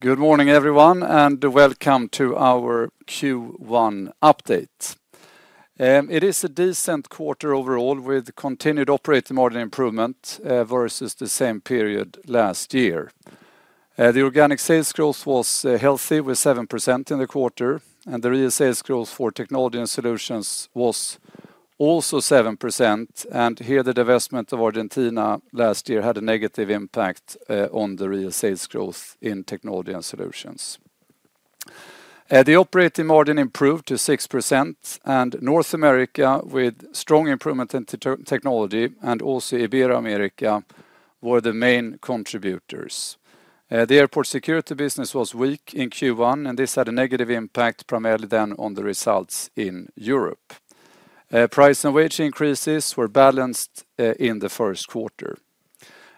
Good morning, everyone, and welcome to our Q1 update. It is a decent quarter overall with continued operating margin improvement versus the same period last year. The organic sales growth was healthy with 7% in the quarter, and the real sales growth for Technology Solutions was also 7%, and here the divestment of Argentina last year had a negative impact on the real sales growth in Technology Solutions. The operating margin improved to 6%, and North America with strong improvement in technology and also Ibero-America were the main contributors. The airport security business was weak in Q1, and this had a negative impact primarily then on the results in Europe. Price and wage increases were balanced in the Q1.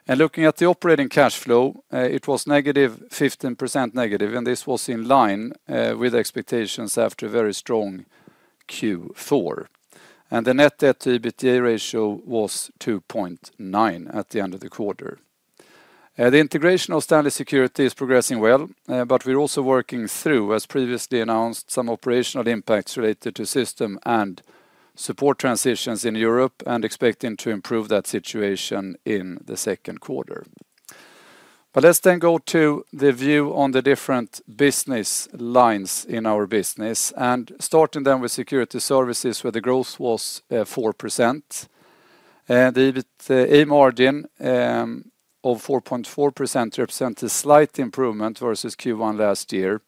Looking at the operating cash flow, it was negative 15%, and this was in line with expectations after a very strong Q4. And the net debt to EBITDA ratio was 2.9 at the end of the quarter. The integration of STANLEY Security is progressing well, but we're also working through, as previously announced, some operational impacts related to system and support transitions in Europe, and expecting to improve that situation in the Q2. But let's then go to the view on the different business lines in our business, and starting then with security services where the growth was 4%. The A margin of 4.4% represents a slight improvement versus Q1 last year,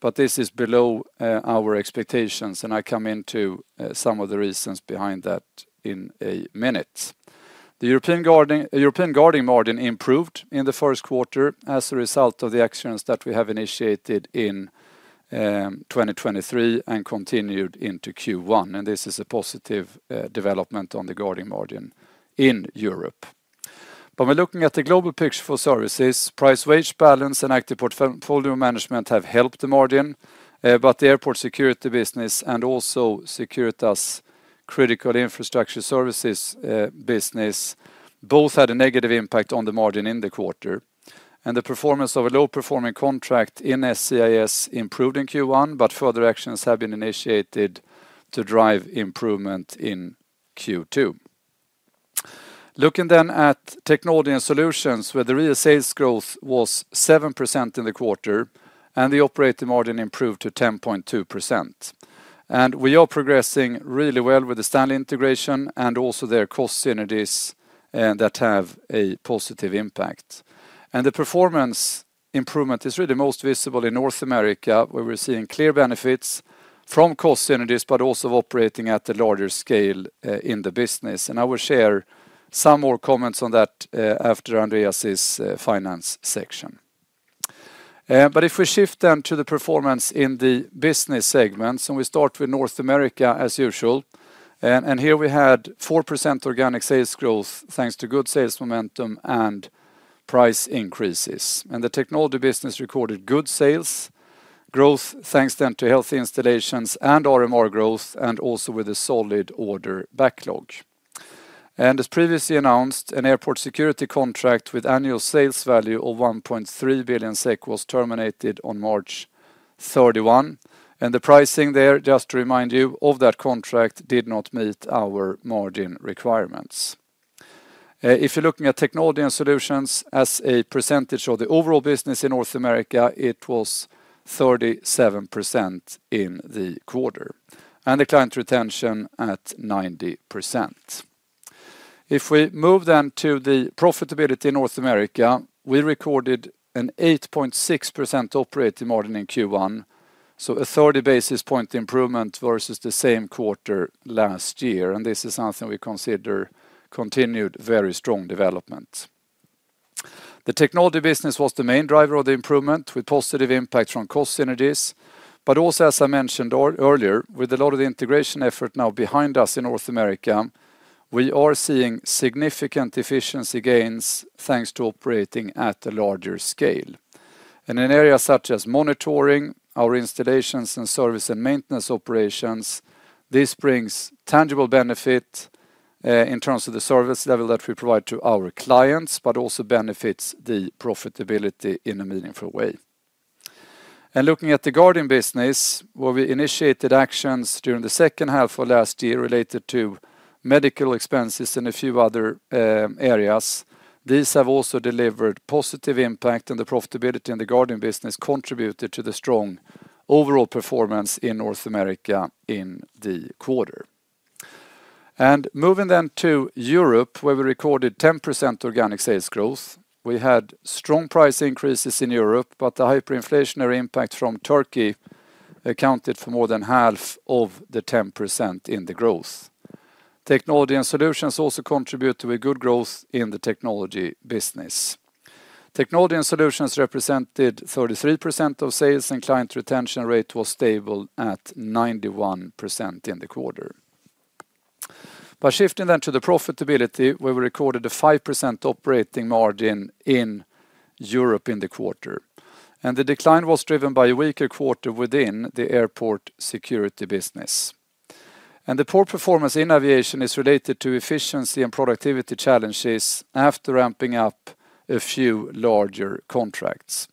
but this is below our expectations, and I come into some of the reasons behind that in a minute. The European guarding margin improved in the Q1 as a result of the actions that we have initiated in 2023 and continued into Q1, and this is a positive development on the guarding margin in Europe. But when looking at the global picture for services, price-wage balance and active portfolio management have helped the margin, but the airport security business and also Securitas Critical Infrastructure Services business both had a negative impact on the margin in the quarter, and the performance of a low-performing contract in SCIS improved in Q1, but further actions have been initiated to drive improvement in Q2. Looking then at Technology Solutions where the real sales growth was 7% in the quarter, and the operating margin improved to 10.2%. And we are progressing really well with the Stanley integration and also their cost synergies that have a positive impact. And the performance improvement is really most visible in North America where we're seeing clear benefits from cost synergies but also of operating at a larger scale in the business, and I will share some more comments on that after Andreas's finance section. But if we shift then to the performance in the business segments, and we start with North America as usual, and here we had 4% organic sales growth thanks to good sales momentum and price increases, and the technology business recorded good sales growth thanks then to healthy installations and RMR growth and also with a solid order backlog. As previously announced, an airport security contract with annual sales value of 1.3 billion was terminated on March 31, and the pricing there, just to remind you, of that contract did not meet our margin requirements. If you're looking at Technology Solutions, as a percentage of the overall business in North America, it was 37% in the quarter, and the client retention at 90%. If we move then to the profitability in North America, we recorded an 8.6% operating margin in Q1, so a 30 basis points improvement versus the same quarter last year, and this is something we consider continued very strong development. The technology business was the main driver of the improvement with positive impact from cost synergies, but also as I mentioned earlier, with a lot of the integration effort now behind us in North America, we are seeing significant efficiency gains thanks to operating at a larger scale. In areas such as monitoring, our installations and service and maintenance operations, this brings tangible benefit in terms of the service level that we provide to our clients but also benefits the profitability in a meaningful way. And looking at the guarding business, where we initiated actions during the second half of last year related to medical expenses and a few other areas, these have also delivered positive impact, and the profitability in the guarding business contributed to the strong overall performance in North America in the quarter. Moving then to Europe, where we recorded 10% organic sales growth, we had strong price increases in Europe, but the hyperinflationary impact from Turkey accounted for more than half of the 10% in the growth. Technology Solutions also contributed with good growth in the technology business. Technology Solutions represented 33% of sales, and client retention rate was stable at 91% in the quarter. Shifting then to the profitability, where we recorded a 5% operating margin in Europe in the quarter, and the decline was driven by a weaker quarter within the airport security business. The poor performance in aviation is related to efficiency and productivity challenges after ramping up a few larger contracts.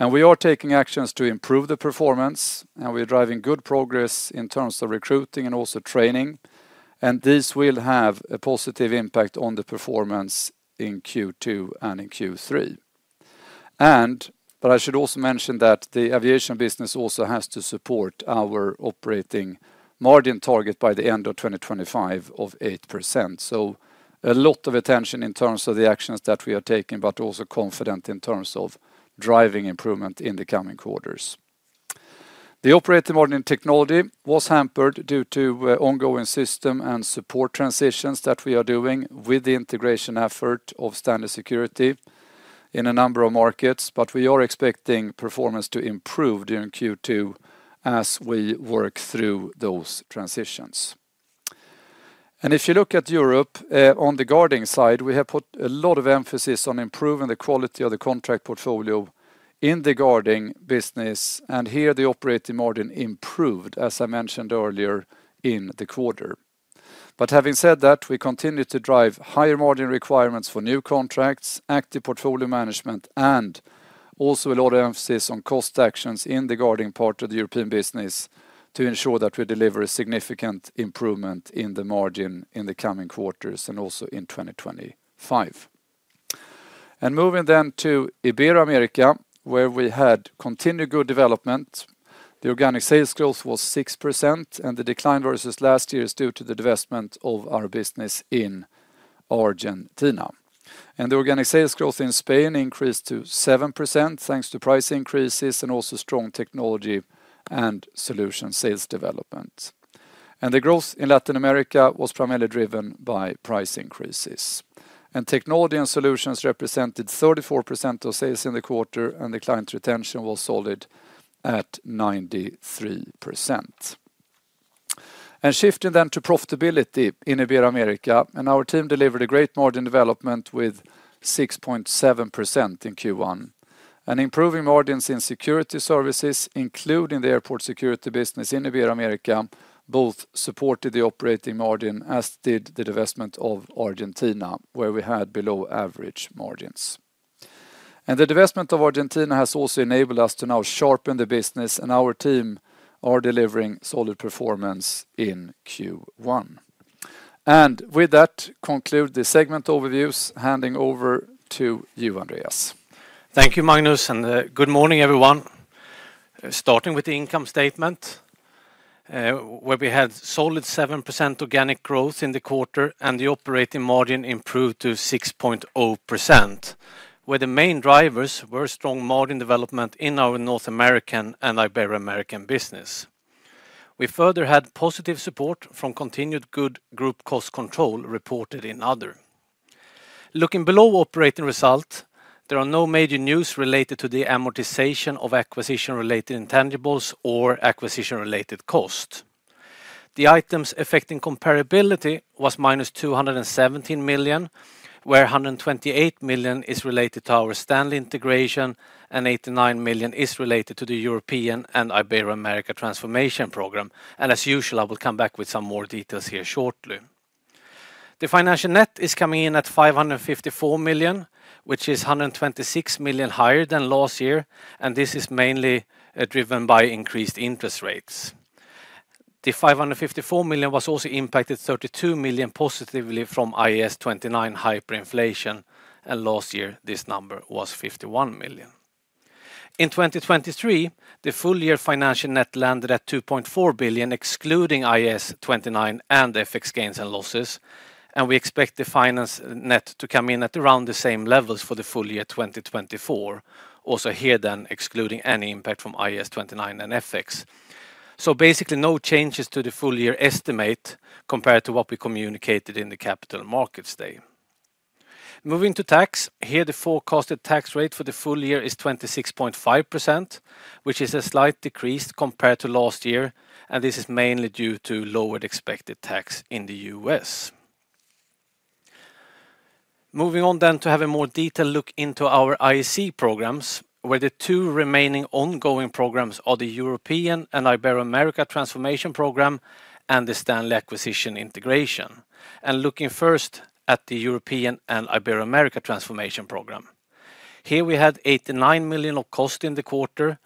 We are taking actions to improve the performance, and we're driving good progress in terms of recruiting and also training, and these will have a positive impact on the performance in Q2 and in Q3. But I should also mention that the aviation business also has to support our operating margin target by the end of 2025 of 8%, so a lot of attention in terms of the actions that we are taking but also confident in terms of driving improvement in the coming quarters. The operating margin in technology was hampered due to ongoing system and support transitions that we are doing with the integration effort of STANLEY Security in a number of markets, but we are expecting performance to improve during Q2 as we work through those transitions. If you look at Europe, on the guarding side, we have put a lot of emphasis on improving the quality of the contract portfolio in the guarding business, and here the operating margin improved, as I mentioned earlier, in the quarter. Having said that, we continue to drive higher margin requirements for new contracts, active portfolio management, and also a lot of emphasis on cost actions in the guarding part of the European business to ensure that we deliver a significant improvement in the margin in the coming quarters and also in 2025. Moving then to Ibero-America, where we had continued good development, the organic sales growth was 6%, and the decline versus last year is due to the divestment of our business in Argentina. The organic sales growth in Spain increased to 7% thanks to price increases and also strong technology and solution sales development. The growth in Latin America was primarily driven by price increases. Technology solutions represented 34% of sales in the quarter, and the client retention was solid at 93%. Shifting then to profitability in Ibero-America, our team delivered a great margin development with 6.7% in Q1. Improving margins in security services, including the airport security business in Ibero-America, both supported the operating margin as did the divestment of Argentina, where we had below average margins. The divestment of Argentina has also enabled us to now sharpen the business, and our team are delivering solid performance in Q1. With that, conclude the segment overviews, handing over to you, Andreas. Thank you, Magnus, and good morning, everyone. Starting with the income statement, where we had solid 7% organic growth in the quarter, and the operating margin improved to 6.0%, where the main drivers were strong margin development in our North American and Ibero-American business. We further had positive support from continued good group cost control reported in other. Looking below operating result, there are no major news related to the amortization of acquisition-related intangibles or acquisition-related cost. The items affecting comparability was minus 217 million, where 128 million is related to our Stanley integration, and 89 million is related to the European and Ibero-America Transformation Program, and as usual, I will come back with some more details here shortly. The financial net is coming in at 554 million, which is 126 million higher than last year, and this is mainly driven by increased interest rates. The 554 million was also impacted 32 million positively from IAS 29 hyperinflation, and last year this number was 51 million. In 2023, the full year financial net landed at 2.4 billion excluding IAS 29 and FX gains and losses, and we expect the finance net to come in at around the same levels for the full year 2024, also here then excluding any impact from IAS 29 and FX. So basically no changes to the full year estimate compared to what we communicated in the Capital Markets Day. Moving to tax, here the forecasted tax rate for the full year is 26.5%, which is a slight decrease compared to last year, and this is mainly due to lowered expected tax in the U.S. Moving on then to have a more detailed look into our IAC programs, where the 2 remaining ongoing programs are the European and Ibero-America Transformation Program and the Stanley acquisition integration, and looking first at the European and Ibero-America Transformation Program. Here we had 89 million of cost in the quarter,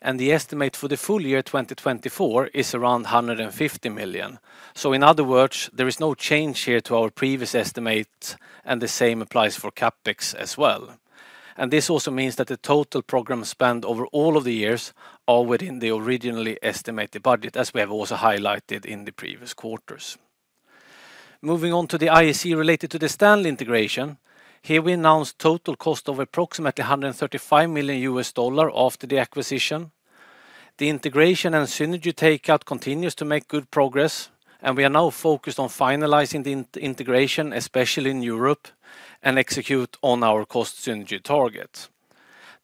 and the estimate for the full year 2024 is around 150 million, so in other words, there is no change here to our previous estimates, and the same applies for CapEx as well. This also means that the total program spend over all of the years are within the originally estimated budget, as we have also highlighted in the previous quarters. Moving on to the IAC related to the Stanley integration, here we announced total cost of approximately $135 million after the acquisition. The integration and synergy takeout continues to make good progress, and we are now focused on finalizing the integration, especially in Europe, and execute on our cost synergy target.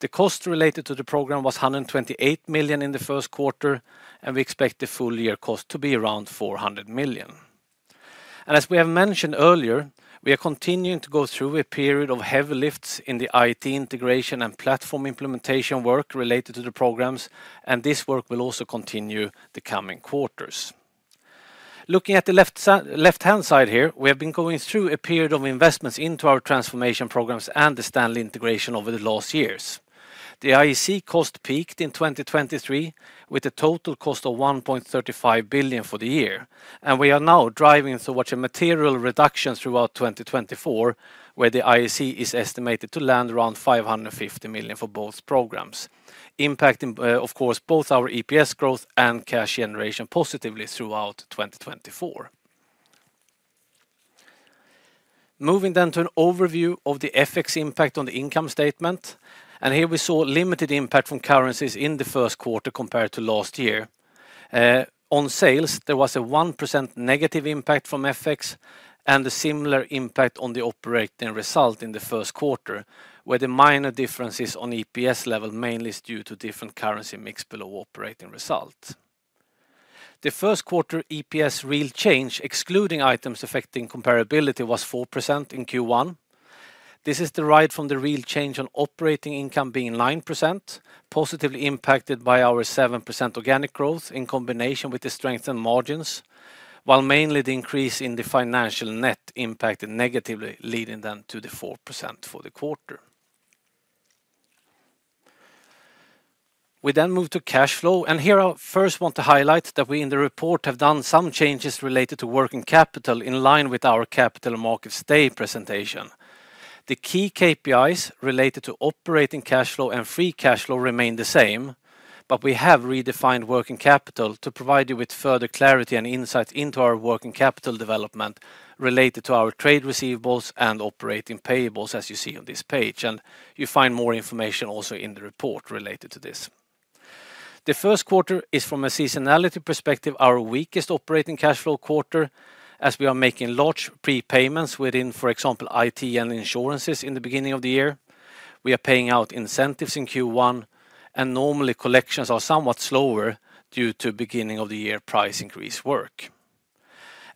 The cost related to the program was 128 million in the Q1, and we expect the full year cost to be around 400 million. And as we have mentioned earlier, we are continuing to go through a period of heavy lifts in the IT integration and platform implementation work related to the programs, and this work will also continue the coming quarters. Looking at the left-hand side here, we have been going through a period of investments into our transformation programs and the Stanley integration over the last years. The IAC cost peaked in 2023 with a total cost of 1.35 billion for the year, and we are now driving towards a material reduction throughout 2024, where the IAC is estimated to land around 550 million for both programs, impacting, of course, both our EPS growth and cash generation positively throughout 2024. Moving then to an overview of the FX impact on the income statement, and here we saw limited impact from currencies in the Q1 compared to last year. On sales, there was a 1% negative impact from FX and a similar impact on the operating result in the Q1, where the minor differences on EPS level mainly is due to different currency mix below operating result. The Q1 EPS real change excluding items affecting comparability was 4% in Q1. This is derived from the real change on operating income being 9%, positively impacted by our 7% organic growth in combination with the strengthened margins, while mainly the increase in the financial net impacted negatively, leading then to the 4% for the quarter. We then move to cash flow, and here I first want to highlight that we in the report have done some changes related to working capital in line with our capital markets day presentation. The key KPIs related to operating cash flow and free cash flow remain the same, but we have redefined working capital to provide you with further clarity and insights into our working capital development related to our trade receivables and operating payables, as you see on this page, and you find more information also in the report related to this. The Q1 is, from a seasonality perspective, our weakest operating cash flow quarter, as we are making large prepayments within, for example, IT and insurances in the beginning of the year. We are paying out incentives in Q1, and normally collections are somewhat slower due to beginning-of-the-year price increase work.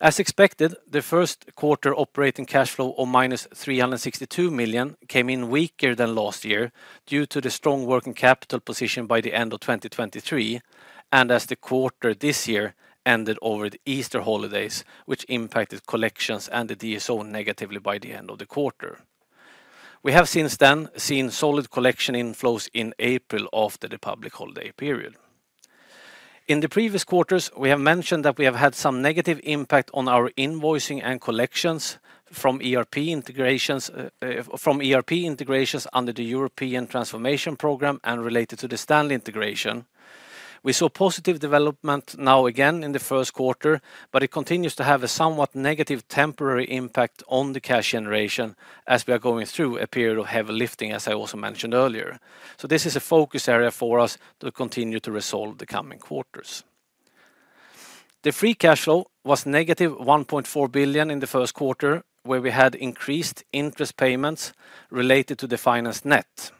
As expected, the Q1 operating cash flow of -362 million came in weaker than last year due to the strong working capital position by the end of 2023, and as the quarter this year ended over the Easter holidays, which impacted collections and the DSO negatively by the end of the quarter. We have since then seen solid collection inflows in April after the public holiday period. In the previous quarters, we have mentioned that we have had some negative impact on our invoicing and collections from ERP integrations under the European transformation program and related to the Stanley integration. We saw positive development now again in the Q1, but it continues to have a somewhat negative temporary impact on the cash generation as we are going through a period of heavy lifting, as I also mentioned earlier. So this is a focus area for us to continue to resolve the coming quarters. The free cash flow was negative 1.4 billion in the Q1, where we had increased interest payments related to the finance net.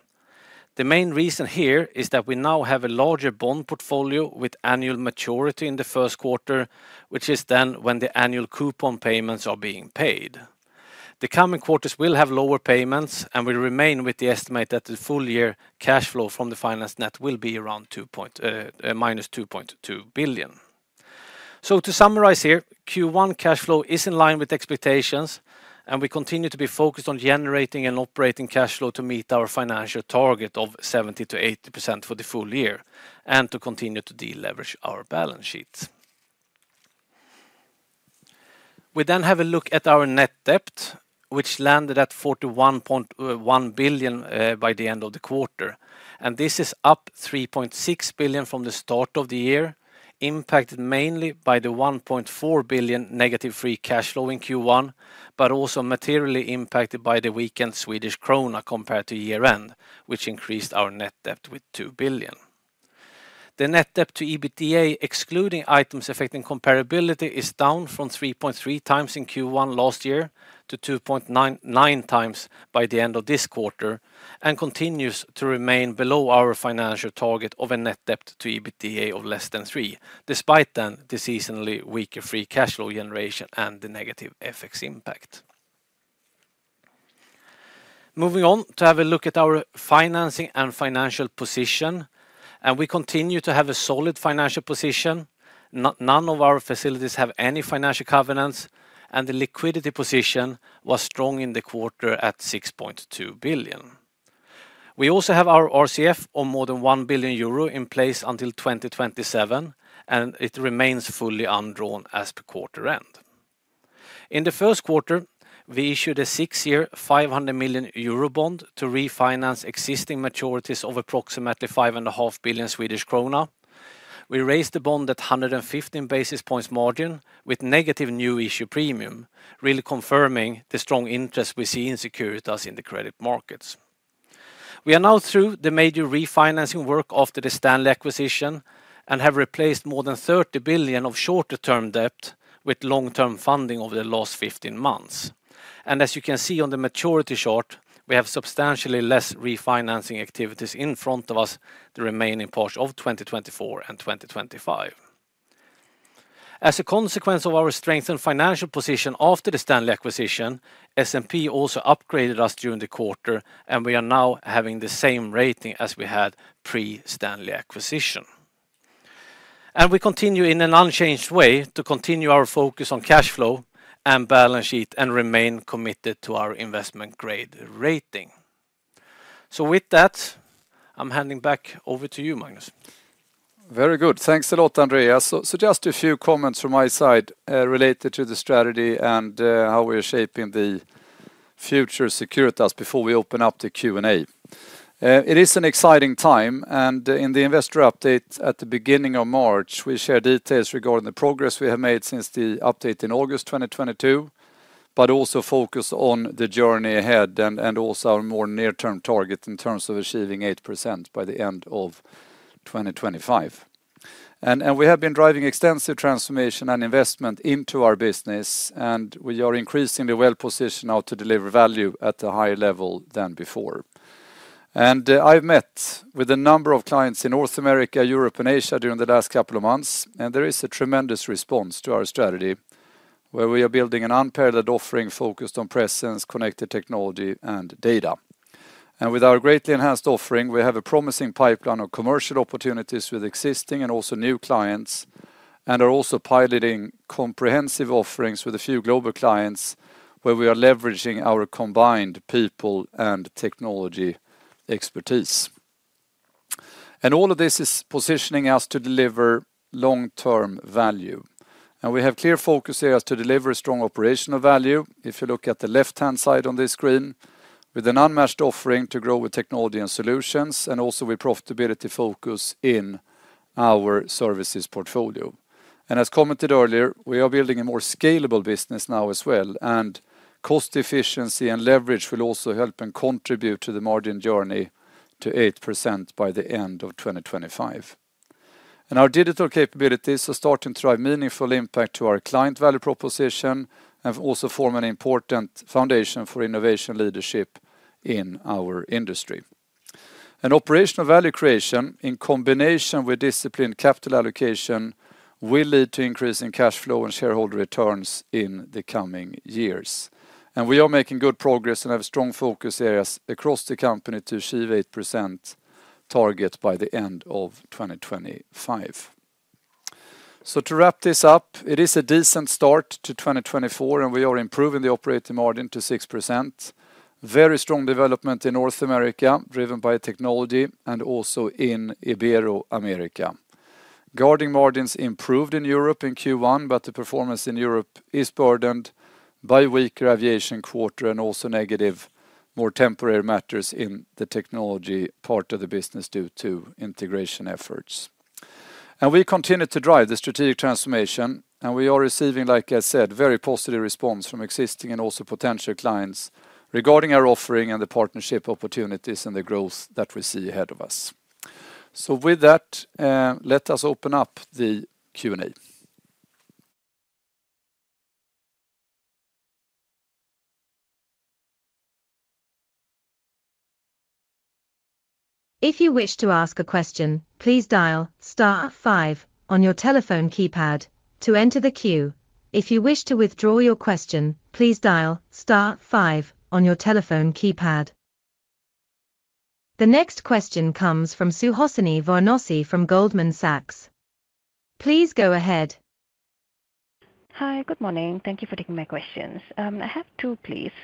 The main reason here is that we now have a larger bond portfolio with annual maturity in the Q1, which is then when the annual coupon payments are being paid. The coming quarters will have lower payments, and we remain with the estimate that the full year cash flow from the finance net will be around -2.2 billion. So to summarize here, Q1 cash flow is in line with expectations, and we continue to be focused on generating and operating cash flow to meet our financial target of 70%-80% for the full year and to continue to deleverage our balance sheets. We then have a look at our net debt, which landed at 41.1 billion by the end of the quarter, and this is up 3.6 billion from the start of the year, impacted mainly by the 1.4 billion negative free cash flow in Q1, but also materially impacted by the weakened Swedish krona compared to year-end, which increased our net debt with 2 billion. The net debt to EBITDA excluding items affecting comparability is down from 3.3 times in Q1 last year to 2.9 times by the end of this quarter and continues to remain below our financial target of a net debt to EBITDA of less than 3, despite then the seasonally weaker free cash flow generation and the negative FX impact. Moving on to have a look at our financing and financial position, and we continue to have a solid financial position. None of our facilities have any financial covenants, and the liquidity position was strong in the quarter at 6.2 billion. We also have our RCF of more than 1 billion euro in place until 2027, and it remains fully undrawn as per quarter-end. In the Q1, we issued a six-year 500 million euro bond to refinance existing maturities of approximately 5.5 billion Swedish krona. We raised the bond at 115 basis points margin with negative new issue premium, really confirming the strong interest we see in Securitas in the credit markets. We are now through the major refinancing work after the Stanley acquisition and have replaced more than 30 billion of shorter-term debt with long-term funding over the last 15 months. As you can see on the maturity chart, we have substantially less refinancing activities in front of us the remaining part of 2024 and 2025. As a consequence of our strengthened financial position after the Stanley acquisition, S&P also upgraded us during the quarter, and we are now having the same rating as we had pre-Stanley acquisition. We continue in an unchanged way to continue our focus on cash flow and balance sheet and remain committed to our investment-grade rating. With that, I'm handing back over to you, Magnus. Very good. Thanks a lot, Andreas. So just a few comments from my side related to the strategy and how we are shaping the future Securitas before we open up to Q&A. It is an exciting time, and in the investor update at the beginning of March, we share details regarding the progress we have made since the update in August 2022, but also focus on the journey ahead and also our more near-term target in terms of achieving 8% by the end of 2025. And we have been driving extensive transformation and investment into our business, and we are increasingly well positioned now to deliver value at a higher level than before. I've met with a number of clients in North America, Europe, and Asia during the last couple of months, and there is a tremendous response to our strategy, where we are building an unparalleled offering focused on presence, connected technology, and data. With our greatly enhanced offering, we have a promising pipeline of commercial opportunities with existing and also new clients, and are also piloting comprehensive offerings with a few global clients, where we are leveraging our combined people and technology expertise. All of this is positioning us to deliver long-term value. We have clear focus here as to deliver strong operational value, if you look at the left-hand side on this screen, with an unmatched offering to grow with technology and solutions, and also with profitability focus in our services portfolio. As commented earlier, we are building a more scalable business now as well, and cost efficiency and leverage will also help and contribute to the margin journey to 8% by the end of 2025. Our digital capabilities are starting to drive meaningful impact to our client value proposition and also form an important foundation for innovation leadership in our industry. Operational value creation in combination with disciplined capital allocation will lead to increasing cash flow and shareholder returns in the coming years. We are making good progress and have a strong focus here across the company to achieve 8% target by the end of 2025. So to wrap this up, it is a decent start to 2024, and we are improving the operating margin to 6%. Very strong development in North America, driven by technology, and also in Ibero-America. Guarding margins improved in Europe in Q1, but the performance in Europe is burdened by weaker aviation quarter and also negative more temporary matters in the technology part of the business due to integration efforts. We continue to drive the strategic transformation, and we are receiving, like I said, very positive response from existing and also potential clients regarding our offering and the partnership opportunities and the growth that we see ahead of us. So with that, let us open up the Q&A. If you wish to ask a question, please dial star five on your telephone keypad to enter the queue. If you wish to withdraw your question, please dial star five on your telephone keypad. The next question comes from Suhasini Varanasi from Goldman Sachs. Please go ahead. Hi, good morning. Thank you for taking my questions. I have two, please.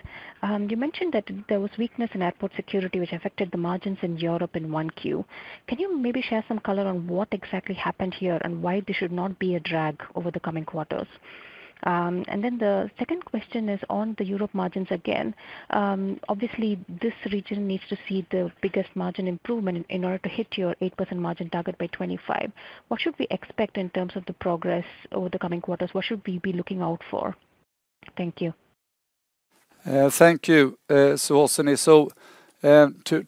You mentioned that there was weakness in airport security, which affected the margins in Europe in Q1. Can you maybe share some color on what exactly happened here and why this should not be a drag over the coming quarters? And then the second question is on the Europe margins again. Obviously, this region needs to see the biggest margin improvement in order to hit your 8% margin target by 2025. What should we expect in terms of the progress over the coming quarters? What should we be looking out for? Thank you. Thank you, Suhasini. So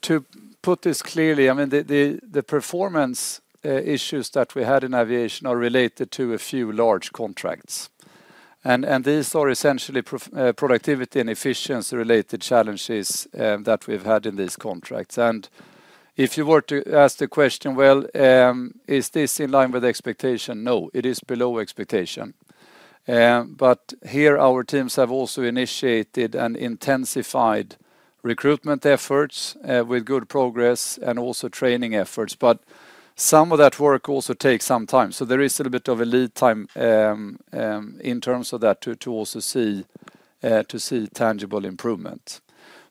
to put this clearly, I mean, the performance issues that we had in aviation are related to a few large contracts. And these are essentially productivity and efficiency-related challenges that we've had in these contracts. And if you were to ask the question, well, is this in line with expectation? No, it is below expectation. But here our teams have also initiated and intensified recruitment efforts with good progress and also training efforts. But some of that work also takes some time. So there is a little bit of a lead time in terms of that to also see tangible improvement.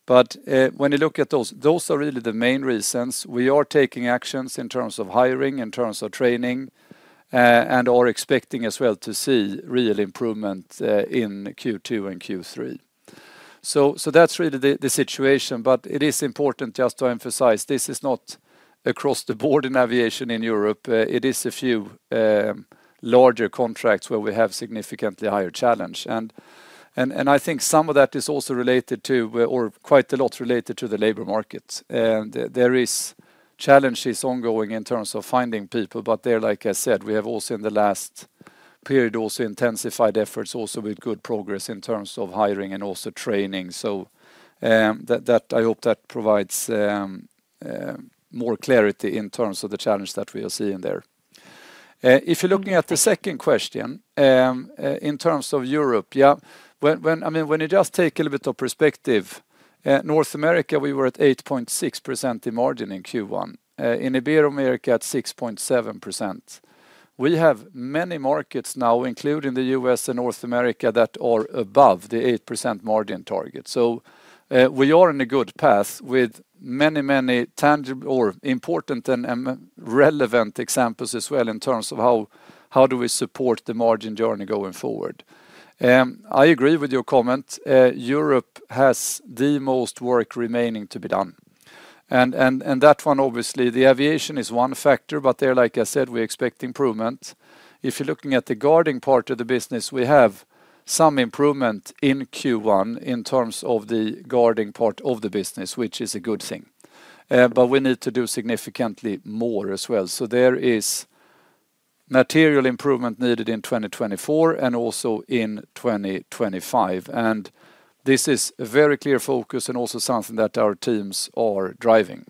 But when you look at those, those are really the main reasons. We are taking actions in terms of hiring, in terms of training, and are expecting as well to see real improvement in Q2 and Q3. So that's really the situation. But it is important just to emphasize, this is not across the board in aviation in Europe. It is a few larger contracts where we have significantly higher challenge. And I think some of that is also related to, or quite a lot related to, the labor market. And there are challenges ongoing in terms of finding people, but they're, like I said, we have also in the last period also intensified efforts also with good progress in terms of hiring and also training. So I hope that provides more clarity in terms of the challenge that we are seeing there. If you're looking at the second question, in terms of Europe, yeah, I mean, when you just take a little bit of perspective, North America, we were at 8.6% in margin in Q1. In Ibero-America, at 6.7%. We have many markets now, including the U.S. and North America, that are above the 8% margin target. So we are in a good path with many, many tangible or important and relevant examples as well in terms of how do we support the margin journey going forward. I agree with your comment. Europe has the most work remaining to be done. And that one, obviously, the aviation is one factor, but there, like I said, we expect improvement. If you're looking at the guarding part of the business, we have some improvement in Q1 in terms of the guarding part of the business, which is a good thing. But we need to do significantly more as well. So there is material improvement needed in 2024 and also in 2025. And this is a very clear focus and also something that our teams are driving.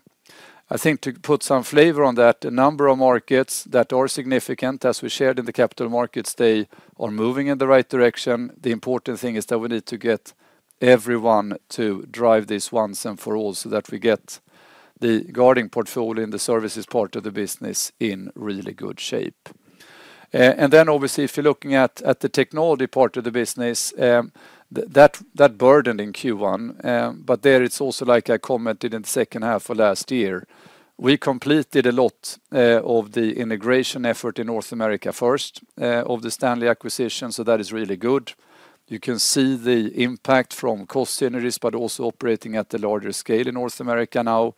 I think to put some flavor on that, a number of markets that are significant, as we shared in the capital markets, they are moving in the right direction. The important thing is that we need to get everyone to drive this once and for all so that we get the guarding portfolio in the services part of the business in really good shape. And then obviously, if you're looking at the technology part of the business, that burden in Q1, but there it's also like I commented in the second half of last year, we completed a lot of the integration effort in North America first of the Stanley acquisition, so that is really good. You can see the impact from cost synergies, but also operating at the larger scale in North America now.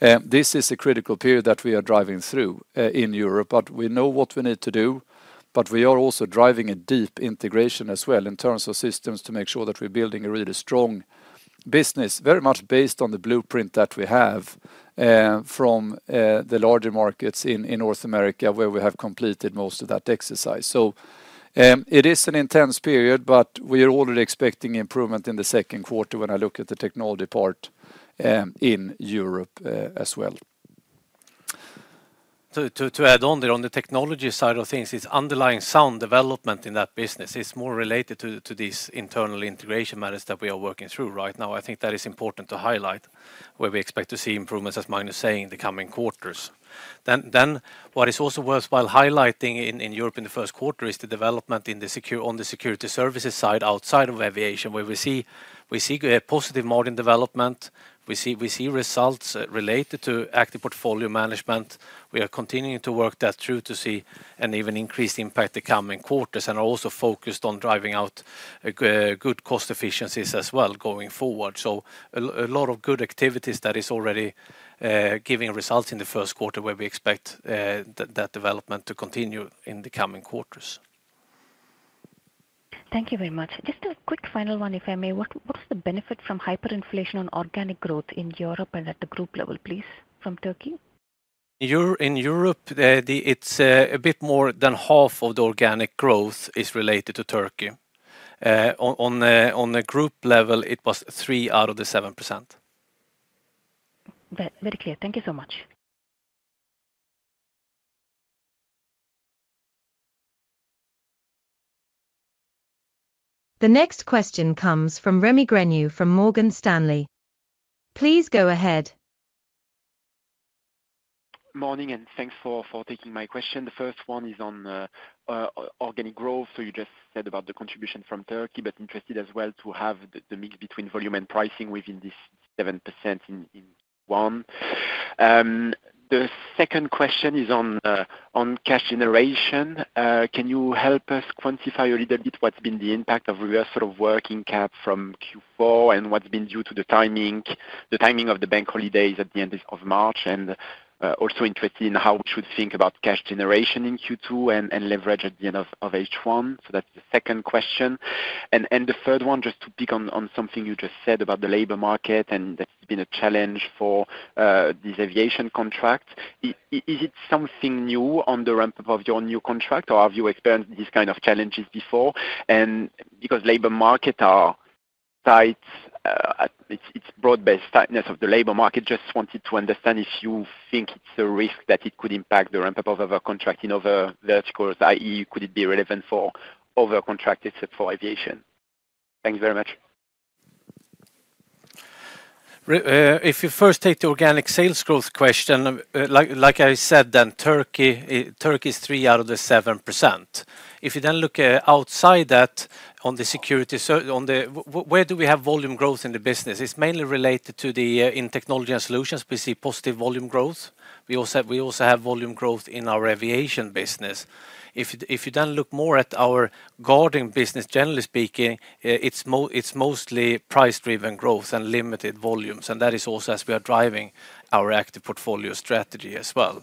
This is a critical period that we are driving through in Europe, but we know what we need to do, but we are also driving a deep integration as well in terms of systems to make sure that we're building a really strong business, very much based on the blueprint that we have from the larger markets in North America where we have completed most of that exercise. So it is an intense period, but we are already expecting improvement in the Q2 when I look at the technology part in Europe as well. To add on there, on the technology side of things, it's underlying sound development in that business. It's more related to these internal integration matters that we are working through right now. I think that is important to highlight where we expect to see improvements, as Magnus is saying, in the coming quarters. Then what is also worthwhile highlighting in Europe in the Q1 is the development on the security services side outside of aviation, where we see positive margin development. We see results related to active portfolio management. We are continuing to work that through to see an even increased impact the coming quarters and are also focused on driving out good cost efficiencies as well going forward. So a lot of good activities that are already giving results in the Q1 where we expect that development to continue in the coming quarters. Thank you very much. Just a quick final one, if I may. What is the benefit from hyperinflation on organic growth in Europe and at the group level, please, from Turkey? In Europe, it's a bit more than half of the organic growth is related to Turkey. On the group level, it was 3 out of the 7%. Very clear. Thank you so much. The next question comes from Rémi Grenu from Morgan Stanley. Please go ahead. Morning, and thanks for taking my question. The first one is on organic growth. So you just said about the contribution from Turkey, but interested as well to have the mix between volume and pricing within this 7% in Q1. The second question is on cash generation. Can you help us quantify a little bit what's been the impact of reversal of working cap from Q4 and what's been due to the timing of the bank holidays at the end of March? And also interested in how we should think about cash generation in Q2 and leverage at the end of H1. So that's the second question. And the third one, just to pick on something you just said about the labor market and that's been a challenge for these aviation contracts. Is it something new on the ramp-up of your new contract, or have you experienced these kind of challenges before? And because labor market are tight, it's broad-based tightness of the labor market, just wanted to understand if you think it's a risk that it could impact the ramp-up of other contracting other verticals, i.e., could it be relevant for other contractors for aviation? Thanks very much. If you first take the organic sales growth question, like I said then, Turkey is 3 out of the 7%. If you then look outside that on the security where do we have volume growth in the business? It's mainly related to the in technology and solutions. We see positive volume growth. We also have volume growth in our aviation business. If you then look more at our guarding business, generally speaking, it's mostly price-driven growth and limited volumes. And that is also as we are driving our active portfolio strategy as well.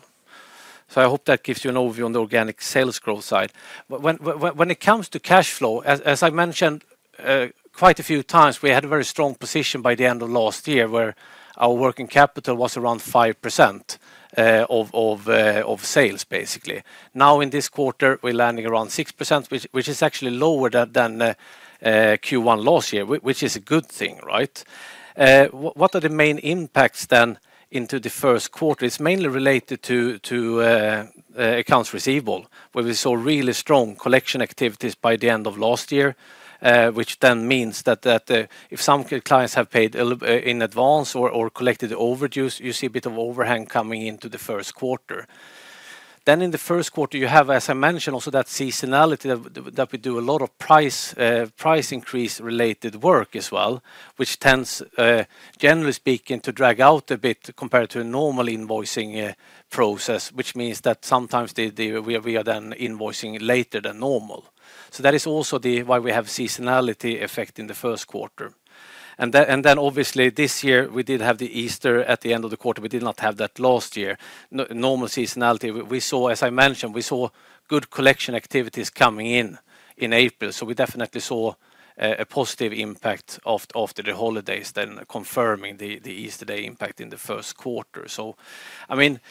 So I hope that gives you an overview on the organic sales growth side. When it comes to cash flow, as I mentioned quite a few times, we had a very strong position by the end of last year where our working capital was around 5% of sales, basically. Now in this quarter, we're landing around 6%, which is actually lower than Q1 last year, which is a good thing, right? What are the main impacts then into the Q1? It's mainly related to accounts receivable, where we saw really strong collection activities by the end of last year, which then means that if some clients have paid in advance or collected overdue, you see a bit of overhang coming into the Q1. Then in the Q1, you have, as I mentioned, also that seasonality that we do a lot of price increase-related work as well, which tends, generally speaking, to drag out a bit compared to a normal invoicing process, which means that sometimes we are then invoicing later than normal. So that is also why we have seasonality effect in the Q1. And then, obviously, this year, we did have the Easter at the end of the quarter. We did not have that last year. Normal seasonality, we saw, as I mentioned, we saw good collection activities coming in in April. So we definitely saw a positive impact after the holidays, then confirming the Easter day impact in the Q1. So, I mean,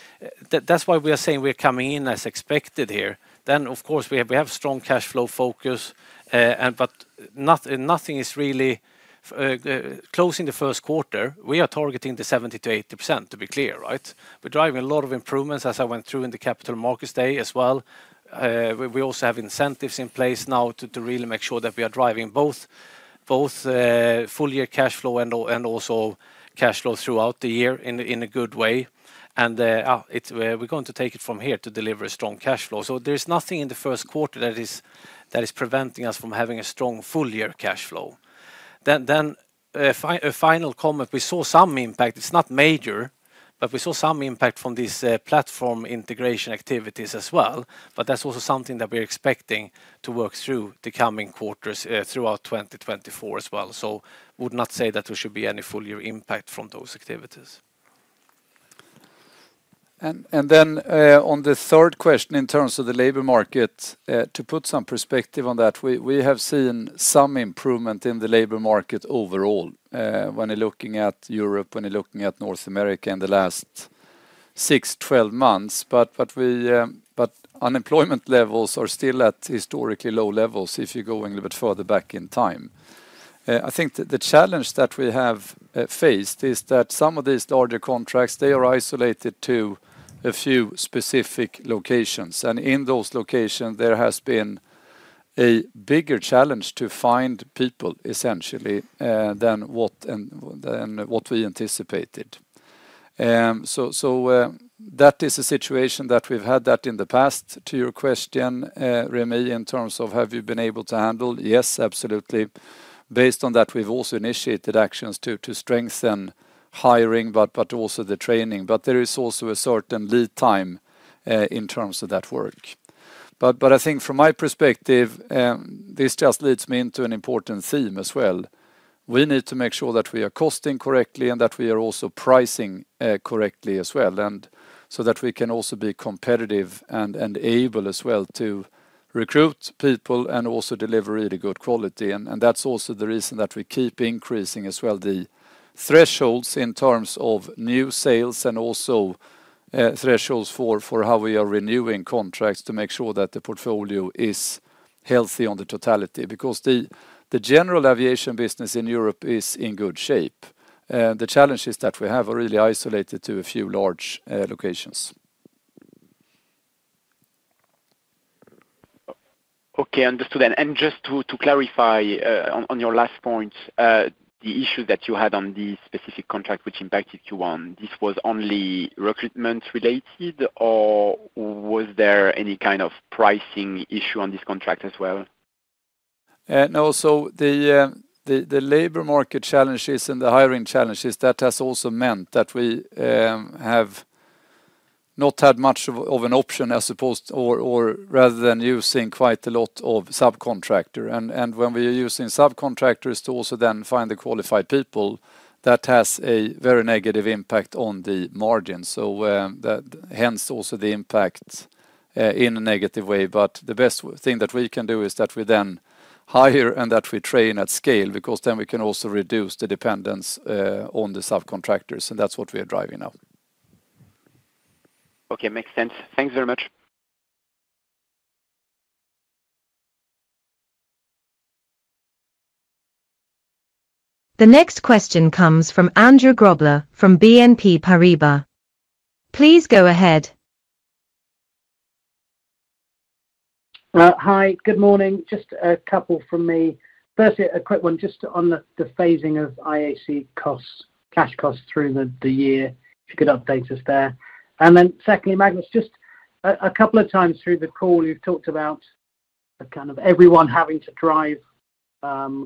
that's why we are saying we're coming in as expected here. Then, of course, we have strong cash flow focus, but nothing is really closing the Q1. We are targeting the 70%-80%, to be clear, right? We're driving a lot of improvements, as I went through in the Capital Markets Day as well. We also have incentives in place now to really make sure that we are driving both full-year cash flow and also cash flow throughout the year in a good way. We're going to take it from here to deliver a strong cash flow. There's nothing in the Q1 that is preventing us from having a strong full-year cash flow. A final comment, we saw some impact. It's not major, but we saw some impact from these platform integration activities as well. That's also something that we're expecting to work through the coming quarters throughout 2024 as well. Would not say that there should be any full-year impact from those activities. Then on the third question in terms of the labor market, to put some perspective on that, we have seen some improvement in the labor market overall when you're looking at Europe, when you're looking at North America in the last six, 12 months. But unemployment levels are still at historically low levels if you go a little bit further back in time. I think the challenge that we have faced is that some of these larger contracts, they are isolated to a few specific locations. And in those locations, there has been a bigger challenge to find people, essentially, than what we anticipated. So that is a situation that we've had that in the past, to your question, Remy, in terms of have you been able to handle? Yes, absolutely. Based on that, we've also initiated actions to strengthen hiring, but also the training. But there is also a certain lead time in terms of that work. But I think from my perspective, this just leads me into an important theme as well. We need to make sure that we are costing correctly and that we are also pricing correctly as well, so that we can also be competitive and able as well to recruit people and also deliver really good quality. And that's also the reason that we keep increasing as well the thresholds in terms of new sales and also thresholds for how we are renewing contracts to make sure that the portfolio is healthy in totality, because the general aviation business in Europe is in good shape. The challenge is that we are really isolated to a few large locations. Okay, understood. Just to clarify on your last point, the issues that you had on the specific contract which impacted Q1, this was only recruitment-related, or was there any kind of pricing issue on this contract as well? No, so the labor market challenges and the hiring challenges, that has also meant that we have not had much of an option as opposed or rather than using quite a lot of subcontractor. And when we are using subcontractors to also then find the qualified people, that has a very negative impact on the margins. So hence also the impact in a negative way. But the best thing that we can do is that we then hire and that we train at scale, because then we can also reduce the dependence on the subcontractors. And that's what we are driving now. Okay, makes sense. Thanks very much. The next question comes from Andy Grobler from BNP Paribas. Please go ahead. Hi, good morning. Just a couple from me. Firstly, a quick one just on the phasing of IAC costs, cash costs through the year, if you could update us there. And then secondly, Magnus, just a couple of times through the call, you've talked about kind of everyone having to drive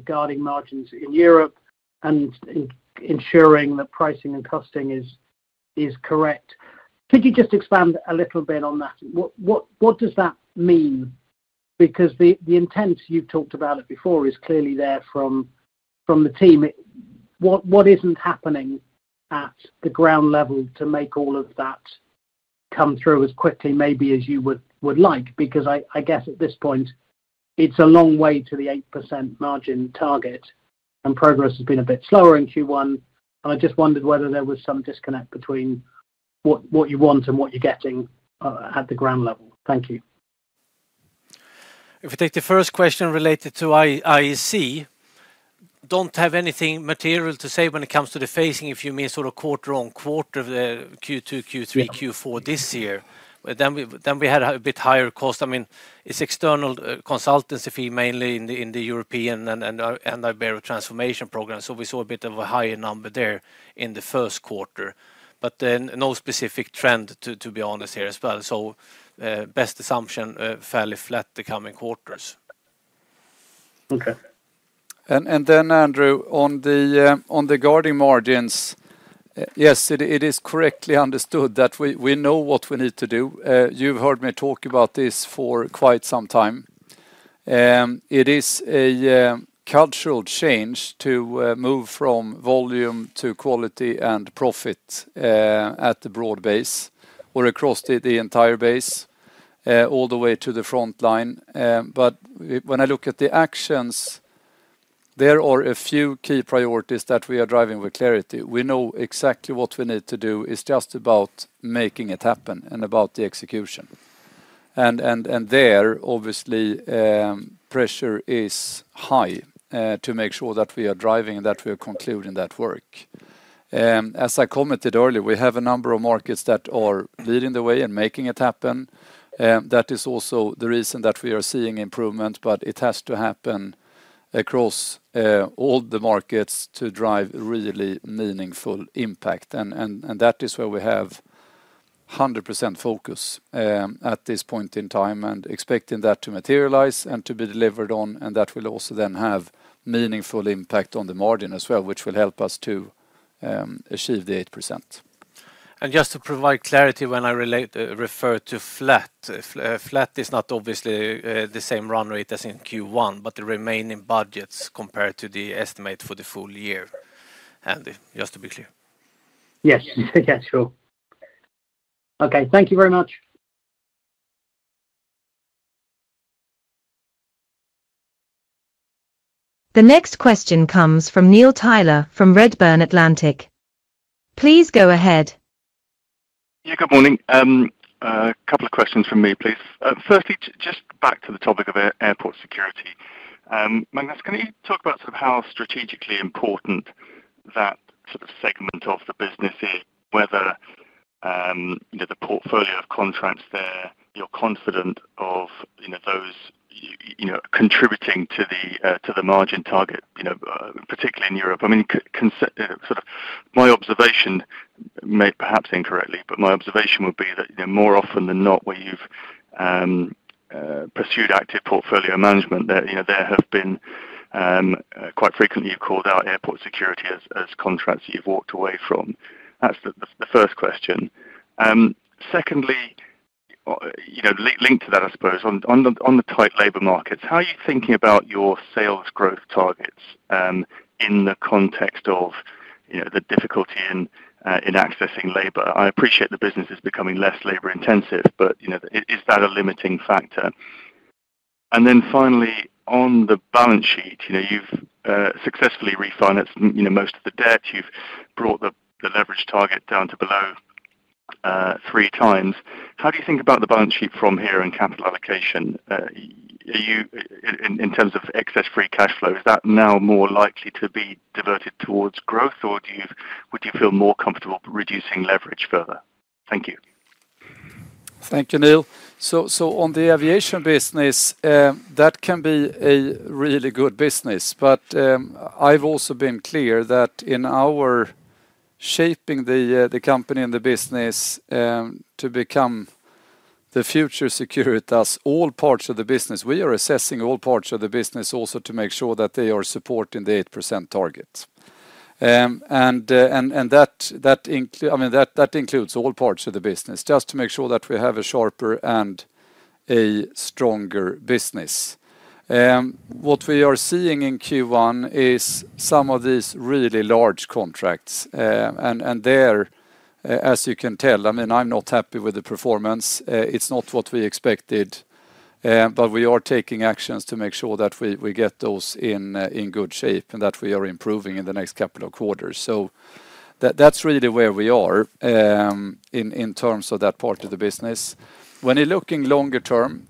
guarding margins in Europe and ensuring that pricing and costing is correct. Could you just expand a little bit on that? What does that mean? Because the intent, you've talked about it before, is clearly there from the team. What isn't happening at the ground level to make all of that come through as quickly, maybe, as you would like? Because I guess at this point, it's a long way to the 8% margin target, and progress has been a bit slower in Q1. I just wondered whether there was some disconnect between what you want and what you're getting at the ground level. Thank you. If we take the first question related to IAC, don't have anything material to say when it comes to the phasing, if you mean sort of quarter-on-quarter of the Q2, Q3, Q4 this year. Then we had a bit higher cost. I mean, it's external consultancy fee, mainly in the European and Iberia transformation program. So we saw a bit of a higher number there in the Q1. But no specific trend, to be honest, here as well. So best assumption, fairly flat the coming quarters. Okay. And then, Andrew, on the guarding margins, yes, it is correctly understood that we know what we need to do. You've heard me talk about this for quite some time. It is a cultural change to move from volume to quality and profit at the broad base or across the entire base, all the way to the front line. But when I look at the actions, there are a few key priorities that we are driving with clarity. We know exactly what we need to do is just about making it happen and about the execution. And there, obviously, pressure is high to make sure that we are driving and that we are concluding that work. As I commented earlier, we have a number of markets that are leading the way and making it happen. That is also the reason that we are seeing improvement, but it has to happen across all the markets to drive really meaningful impact. That is where we have 100% focus at this point in time and expecting that to materialize and to be delivered on, and that will also then have meaningful impact on the margin as well, which will help us to achieve the 8%. Just to provide clarity, when I refer to flat, flat is not obviously the same run rate as in Q1, but the remaining budgets compared to the estimate for the full year, just to be clear. Yes, yeah, sure. Okay, thank you very much. The next question comes from Neil Tyler from Redburn Atlantic. Please go ahead. Yeah, good morning. A couple of questions from me, please. Firstly, just back to the topic of airport security. Magnus, can you talk about sort of how strategically important that sort of segment of the business is, whether the portfolio of contracts there, you're confident of those contributing to the margin target, particularly in Europe? I mean, sort of my observation, perhaps incorrectly, but my observation would be that more often than not, where you've pursued active portfolio management, there have been quite frequently you called out airport security as contracts that you've walked away from. That's the first question. Secondly, linked to that, I suppose, on the tight labor markets, how are you thinking about your sales growth targets in the context of the difficulty in accessing labor? I appreciate the business is becoming less labor-intensive, but is that a limiting factor? And then finally, on the balance sheet, you've successfully refinanced most of the debt. You've brought the leverage target down to below 3x. How do you think about the balance sheet from here and capital allocation in terms of excess free cash flow? Is that now more likely to be diverted towards growth, or would you feel more comfortable reducing leverage further? Thank you. Thank you, Neil. So on the aviation business, that can be a really good business. But I've also been clear that in our shaping the company and the business to become the future security, all parts of the business, we are assessing all parts of the business also to make sure that they are supporting the 8% target. And that includes all parts of the business, just to make sure that we have a sharper and a stronger business. What we are seeing in Q1 is some of these really large contracts. And there, as you can tell, I mean, I'm not happy with the performance. It's not what we expected. But we are taking actions to make sure that we get those in good shape and that we are improving in the next couple of quarters. So that's really where we are in terms of that part of the business. When you're looking longer term,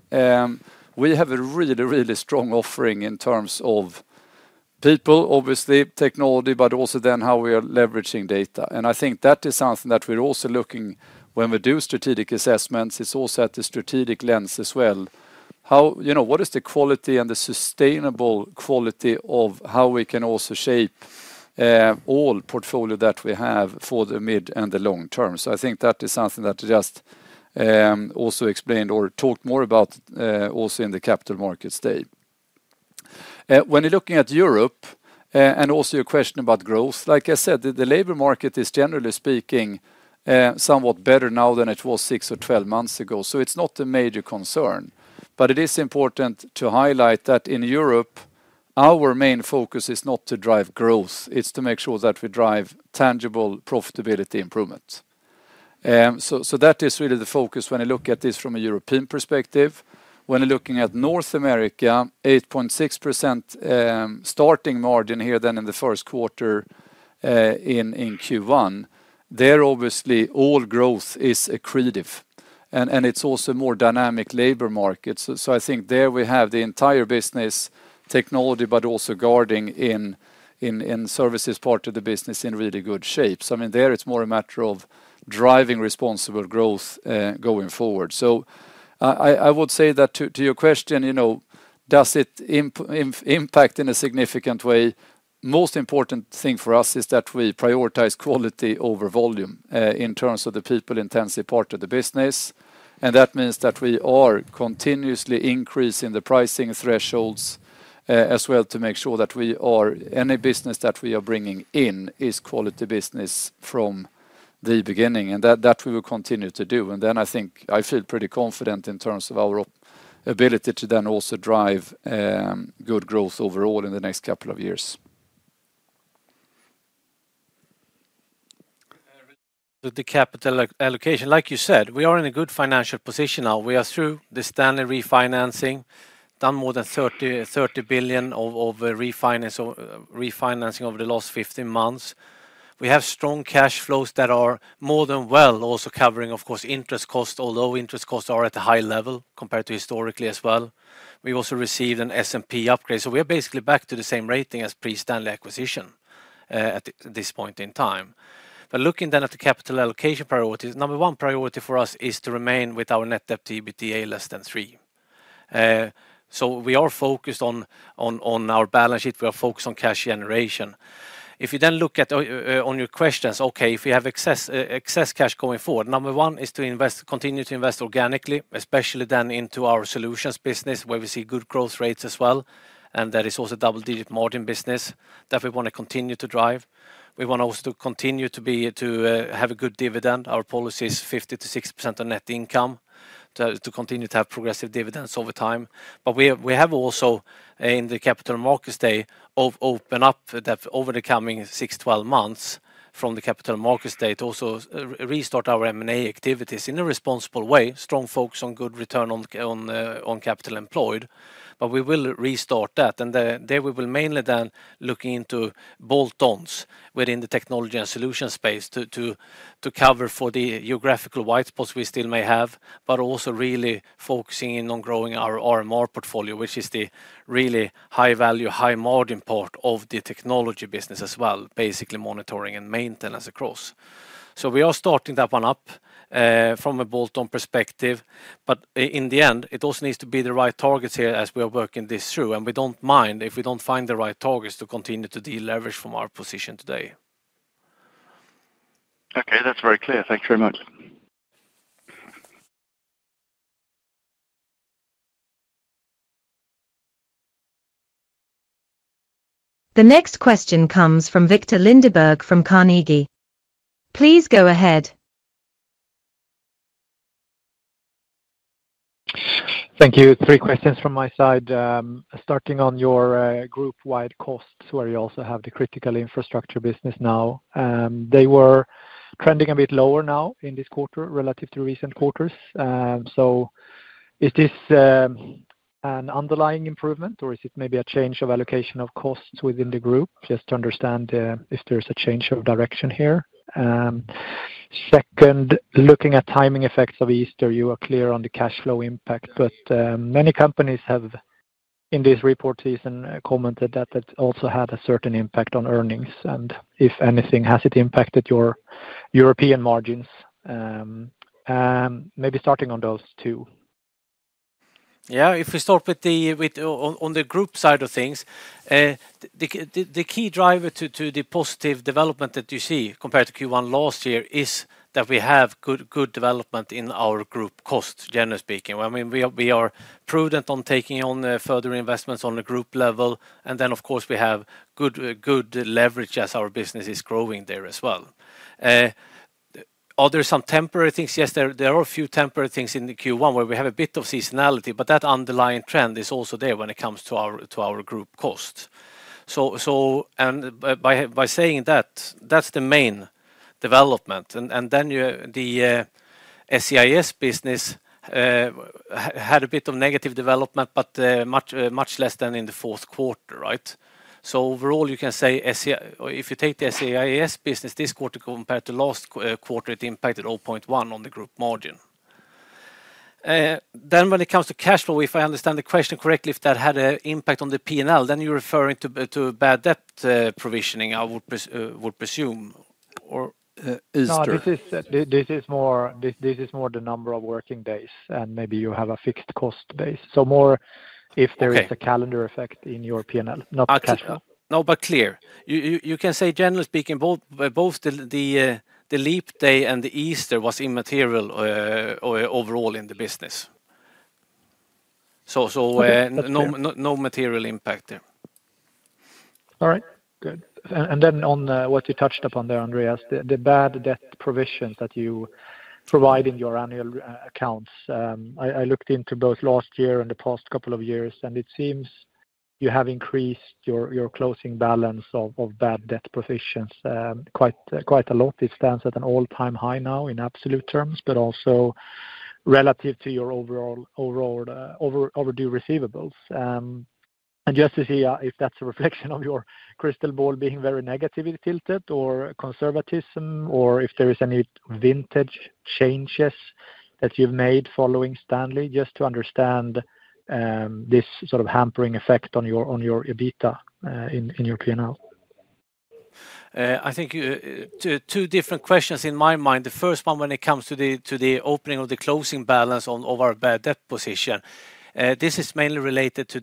we have a really, really strong offering in terms of people, obviously, technology, but also then how we are leveraging data. And I think that is something that we're also looking when we do strategic assessments. It's also at the strategic lens as well. What is the quality and the sustainable quality of how we can also shape all portfolio that we have for the mid and the long term? So I think that is something that just also explained or talked more about also in the capital markets day. When you're looking at Europe and also your question about growth, like I said, the labor market is generally speaking somewhat better now than it was 6 or 12 months ago. So it's not a major concern. But it is important to highlight that in Europe, our main focus is not to drive growth. It's to make sure that we drive tangible profitability improvement. That is really the focus when you look at this from a European perspective. When you're looking at North America, 8.6% EBITA margin here, then in the Q1 in Q1, there obviously all growth is accretive. It's also a more dynamic labor market. I think there we have the entire business, technology, but also guarding in services part of the business in really good shape. I mean, there it's more a matter of driving responsible growth going forward. I would say that to your question, does it impact in a significant way? The most important thing for us is that we prioritize quality over volume in terms of the people-intensive part of the business. That means that we are continuously increasing the pricing thresholds as well to make sure that any business that we are bringing in is quality business from the beginning. That we will continue to do. Then I think I feel pretty confident in terms of our ability to then also drive good growth overall in the next couple of years. The capital allocation, like you said, we are in a good financial position now. We are through the Stanley refinancing, done more than 30 billion of refinancing over the last 15 months. We have strong cash flows that are more than well also covering, of course, interest costs, although interest costs are at a high level compared to historically as well. We also received an S&P upgrade. So we are basically back to the same rating as pre-Stanley acquisition at this point in time. But looking then at the capital allocation priorities, number one priority for us is to remain with our net debt to EBITDA less than 3. So we are focused on our balance sheet. We are focused on cash generation. If you then look at on your questions, okay, if we have excess cash going forward, number one is to continue to invest organically, especially then into our solutions business where we see good growth rates as well. And that is also a double-digit margin business that we want to continue to drive. We want also to continue to have a good dividend. Our policy is 50%-60% of net income to continue to have progressive dividends over time. But we have also in the Capital Markets Day open up that over the coming 6-12 months from the Capital Markets Day to also restart our M&A activities in a responsible way, strong focus on good return on capital employed. But we will restart that. There we will mainly then look into bolt-ons within the technology and solution space to cover for the geographical white spots we still may have, but also really focusing in on growing our RMR portfolio, which is the really high-value, high-margin part of the technology business as well, basically monitoring and maintenance across. So we are starting that one up from a bolt-on perspective. But in the end, it also needs to be the right targets here as we are working this through. And we don't mind if we don't find the right targets to continue to de-leverage from our position today. Okay, that's very clear. Thank you very much. The next question comes from Viktor Lindeberg from Carnegie. Please go ahead. Thank you. Three questions from my side. Starting on your group-wide costs where you also have the critical infrastructure business now, they were trending a bit lower now in this quarter relative to recent quarters. So is this an underlying improvement, or is it maybe a change of allocation of costs within the group? Just to understand if there's a change of direction here. Second, looking at timing effects of Easter, you are clear on the cash flow impact, but many companies have in this report season commented that it also had a certain impact on earnings. And if anything, has it impacted your European margins? Maybe starting on those two. Yeah, if we start with the group side of things, the key driver to the positive development that you see compared to Q1 last year is that we have good development in our group costs, generally speaking. I mean, we are prudent on taking on further investments on the group level. And then, of course, we have good leverage as our business is growing there as well. Are there some temporary things? Yes, there are a few temporary things in Q1 where we have a bit of seasonality, but that underlying trend is also there when it comes to our group costs. And by saying that, that's the main development. And then the SCIS business had a bit of negative development, but much less than in the Q4, right? So overall, you can say if you take the SCIS business this quarter compared to last quarter, it impacted 0.1 on the group margin. Then when it comes to cash flow, if I understand the question correctly, if that had an impact on the P&L, then you're referring to bad debt provisioning, I would presume, or Easter? No, this is more the number of working days. And maybe you have a fixed cost base. So more if there is a calendar effect in your P&L, not cash flow. No, but clear. You can say, generally speaking, both the leap day and the Easter was immaterial overall in the business. So no material impact there. All right. Good. And then on what you touched upon there, Andreas, the bad debt provisions that you provide in your annual accounts, I looked into both last year and the past couple of years, and it seems you have increased your closing balance of bad debt provisions quite a lot. It stands at an all-time high now in absolute terms, but also relative to your overall overdue receivables. And just to see if that's a reflection of your crystal ball being very negatively tilted or conservatism or if there is any vintage changes that you've made following Stanley, just to understand this sort of hampering effect on your EBITDA in your P&L. I think two different questions in my mind. The first one, when it comes to the opening of the closing balance of our bad debt position, this is mainly related to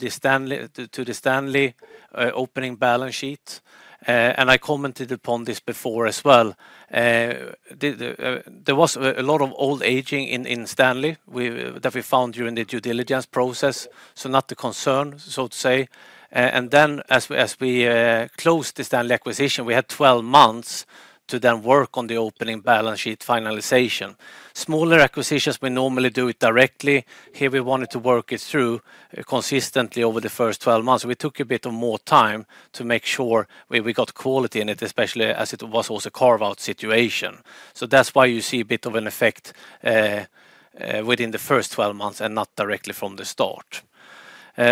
the Stanley opening balance sheet. I commented upon this before as well. There was a lot of old aging in Stanley that we found during the due diligence process, so not the concern, so to say. Then as we closed the Stanley acquisition, we had 12 months to then work on the opening balance sheet finalization. Smaller acquisitions, we normally do it directly. Here, we wanted to work it through consistently over the first 12 months. So we took a bit of more time to make sure we got quality in it, especially as it was also a carve-out situation. So that's why you see a bit of an effect within the first 12 months and not directly from the start.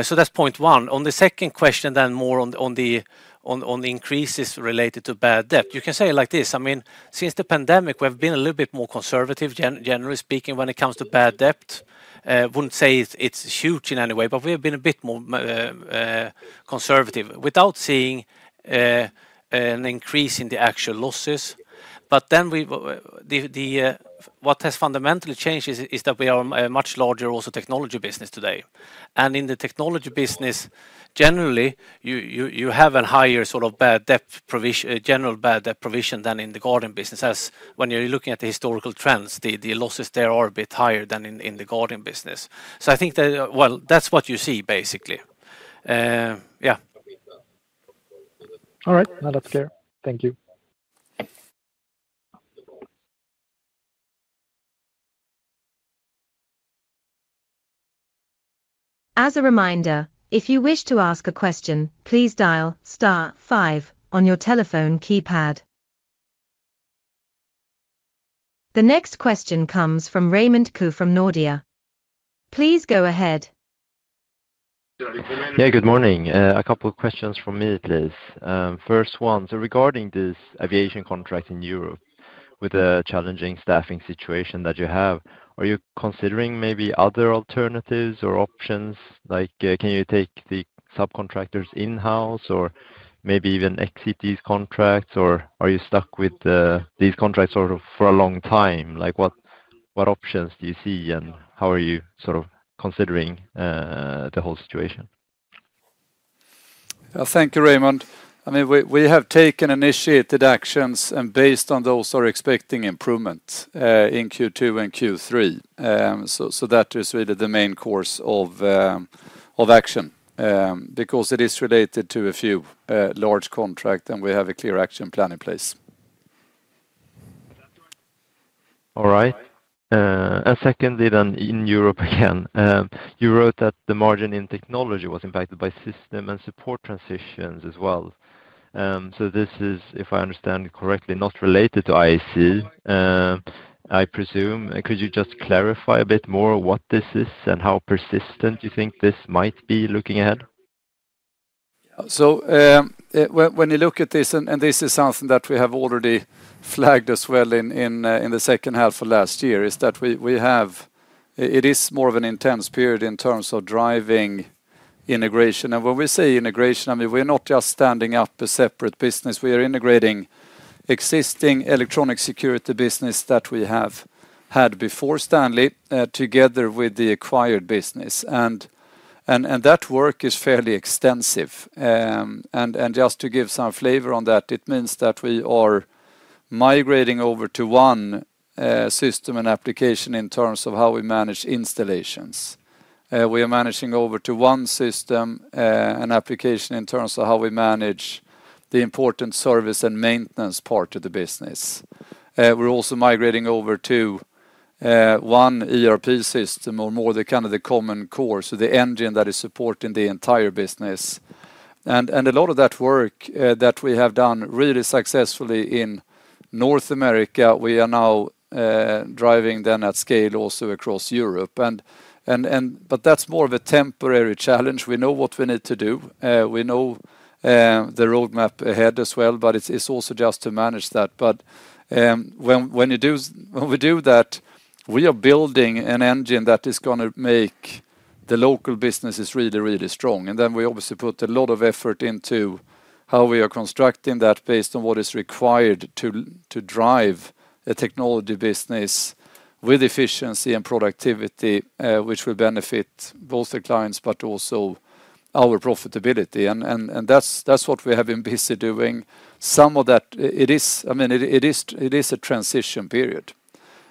So that's point one. On the second question, then more on the increases related to bad debt, you can say it like this. I mean, since the pandemic, we have been a little bit more conservative, generally speaking, when it comes to bad debt. I wouldn't say it's huge in any way, but we have been a bit more conservative without seeing an increase in the actual losses. But then what has fundamentally changed is that we are a much larger also technology business today. And in the technology business, generally, you have a higher sort of general bad debt provision than in the guard business. And when you're looking at the historical trends, the losses there are a bit higher than in the guard business. I think that, well, that's what you see, basically. Yeah. All right. Now that's clear. Thank you. As a reminder, if you wish to ask a question, please dial star five on your telephone keypad. The next question comes from Raymond Ke from Nordea. Please go ahead. Yeah, good morning. A couple of questions from me, please. First one, so regarding this aviation contract in Europe with the challenging staffing situation that you have, are you considering maybe other alternatives or options? Can you take the subcontractors in-house or maybe even exit these contracts, or are you stuck with these contracts sort of for a long time? What options do you see, and how are you sort of considering the whole situation? Thank you, Raymond. I mean, we have taken initiated actions, and based on those, we are expecting improvement in Q2 and Q3. So that is really the main course of action because it is related to a few large contracts, and we have a clear action plan in place. All right. And secondly, then in Europe again, you wrote that the margin in technology was impacted by system and support transitions as well. So this is, if I understand correctly, not related to IAC, I presume. Could you just clarify a bit more what this is and how persistent you think this might be looking ahead? So when you look at this, and this is something that we have already flagged as well in the second half of last year, is that we have, it is more of an intense period in terms of driving integration. When we say integration, I mean, we're not just standing up a separate business. We are integrating existing electronic security business that we have had before Stanley together with the acquired business. That work is fairly extensive. Just to give some flavor on that, it means that we are migrating over to one system and application in terms of how we manage installations. We are managing over to one system and application in terms of how we manage the important service and maintenance part of the business. We're also migrating over to one ERP system or more, the kind of the common core, so the engine that is supporting the entire business. A lot of that work that we have done really successfully in North America, we are now driving then at scale also across Europe. But that's more of a temporary challenge. We know what we need to do. We know the roadmap ahead as well, but it's also just to manage that. But when we do that, we are building an engine that is going to make the local businesses really, really strong. And then we obviously put a lot of effort into how we are constructing that based on what is required to drive a technology business with efficiency and productivity, which will benefit both the clients, but also our profitability. And that's what we have been busy doing. Some of that, I mean, it is a transition period.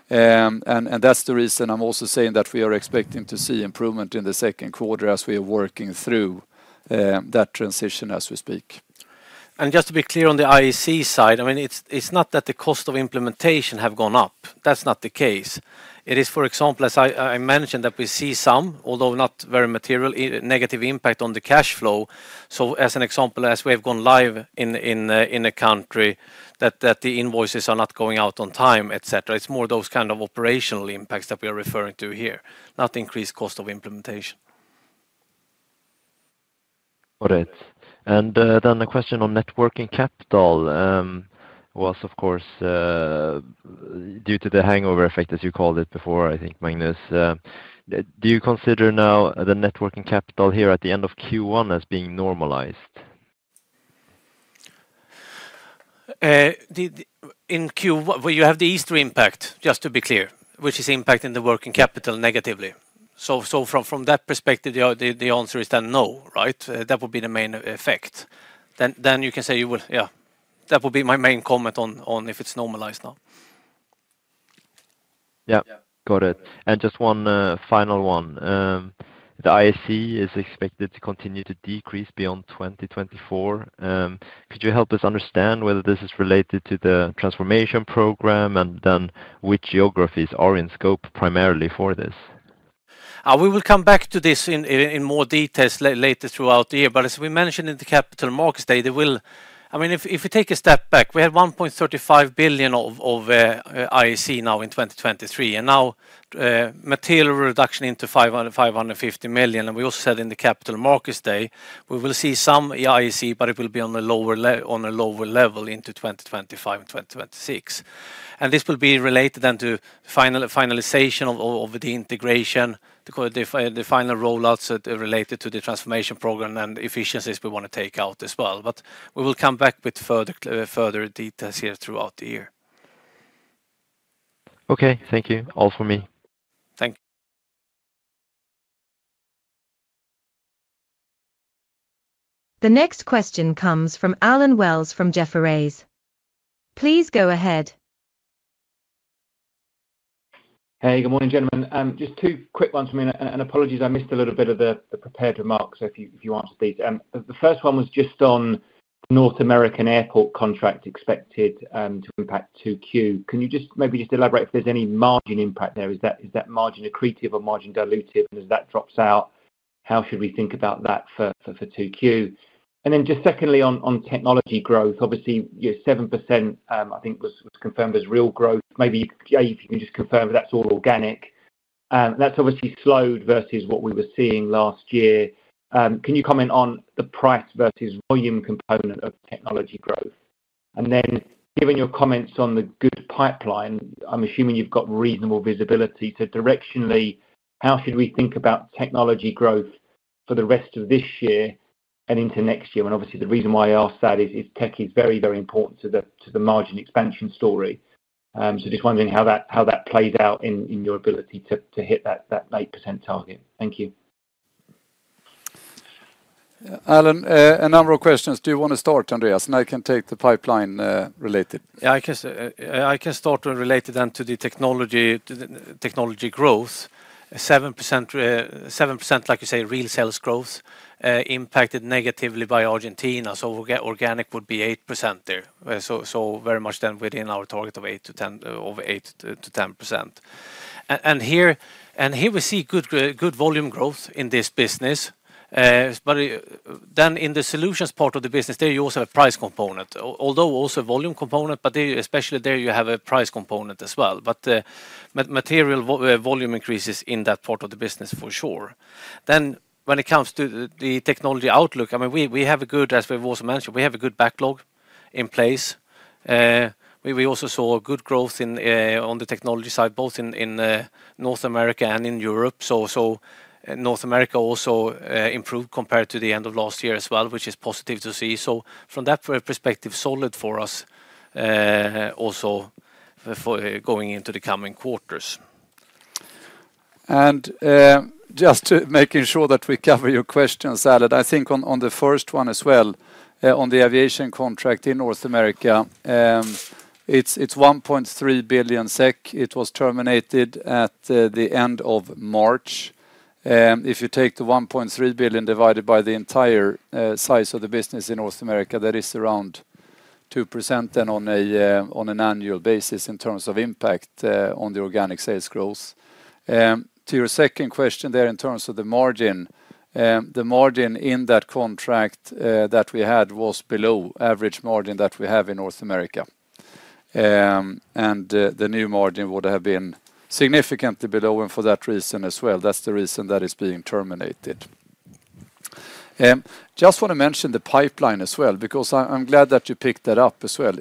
That's the reason I'm also saying that we are expecting to see improvement in the Q2 as we are working through that transition as we speak. And just to be clear on the IAC side, I mean, it's not that the cost of implementation have gone up. That's not the case. It is, for example, as I mentioned, that we see some, although not very material, negative impact on the cash flow. So as an example, as we have gone live in a country, that the invoices are not going out on time, etc. It's more those kind of operational impacts that we are referring to here, not increased cost of implementation. Got it. Then a question on net working capital was, of course, due to the hangover effect, as you called it before, I think, Magnus. Do you consider now the net working capital here at the end of Q1 as being normalized? In Q1, you have the Easter impact, just to be clear, which is impacting the working capital negatively. So from that perspective, the answer is then no, right? That would be the main effect. Then you can say you will yeah. That would be my main comment on if it's normalized now. Yeah. Got it. And just one final one. The IAC is expected to continue to decrease beyond 2024. Could you help us understand whether this is related to the transformation program and then which geographies are in scope primarily for this? We will come back to this in more details later throughout the year. But as we mentioned in the Capital Markets Day, there will, I mean, if we take a step back, we had 1.35 billion of IAC now in 2023. And now, material reduction into 550 million. And we also said in the Capital Markets Day, we will see some IAC, but it will be on a lower level into 2025 and 2026. And this will be related then to finalization of the integration, the final rollouts related to the transformation program and efficiencies we want to take out as well. But we will come back with further details here throughout the year. Okay. Thank you. All for me. Thank you. The next question comes from Alan Wells from Jefferies. Please go ahead. Hey, good morning, gentlemen. Just two quick ones for me. Apologies, I missed a little bit of the prepared remarks, so if you answered these. The first one was just on North American airport contract expected to impact 2Q. Can you maybe just elaborate if there's any margin impact there? Is that margin accretive or margin dilutive? And as that drops out, how should we think about that for 2Q? And then just secondly, on technology growth, obviously, 7%, I think, was confirmed as real growth. Maybe if you can just confirm that that's all organic. That's obviously slowed versus what we were seeing last year. Can you comment on the price versus volume component of technology growth? And then given your comments on the good pipeline, I'm assuming you've got reasonable visibility. Directionally, how should we think about technology growth for the rest of this year and into next year? Obviously, the reason why I ask that is tech is very, very important to the margin expansion story. Just wondering how that plays out in your ability to hit that 8% target. Thank you. Alan, a number of questions. Do you want to start, Andreas? And I can take the pipeline related. Yeah, I can start related then to the technology growth. 7%, like you say, real sales growth impacted negatively by Argentina. So organic would be 8% there, so very much then within our target of 8%-10% over 8%-10%. And here we see good volume growth in this business. But then in the solutions part of the business, there you also have a price component, although also a volume component, but especially there, you have a price component as well. But material volume increases in that part of the business for sure. Then when it comes to the technology outlook, I mean, we have a good, as we've also mentioned, we have a good backlog in place. We also saw good growth on the technology side, both in North America and in Europe. North America also improved compared to the end of last year as well, which is positive to see. From that perspective, solid for us also going into the coming quarters. Just making sure that we cover your questions, Alan, I think on the first one as well, on the aviation contract in North America, it's 1.3 billion SEK. It was terminated at the end of March. If you take the 1.3 billion divided by the entire size of the business in North America, that is around 2% then on an annual basis in terms of impact on the organic sales growth. To your second question there in terms of the margin, the margin in that contract that we had was below average margin that we have in North America. And the new margin would have been significantly below and for that reason as well. That's the reason that it's being terminated. Just want to mention the pipeline as well because I'm glad that you picked that up as well.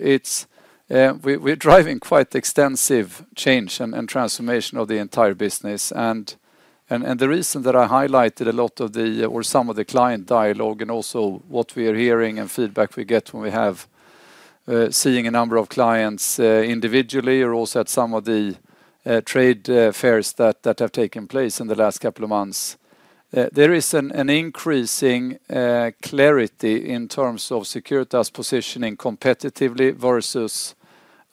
We're driving quite extensive change and transformation of the entire business. The reason that I highlighted a lot of or some of the client dialogue and also what we are hearing and feedback we get when we have seeing a number of clients individually or also at some of the trade fairs that have taken place in the last couple of months, there is an increasing clarity in terms of security as positioning competitively versus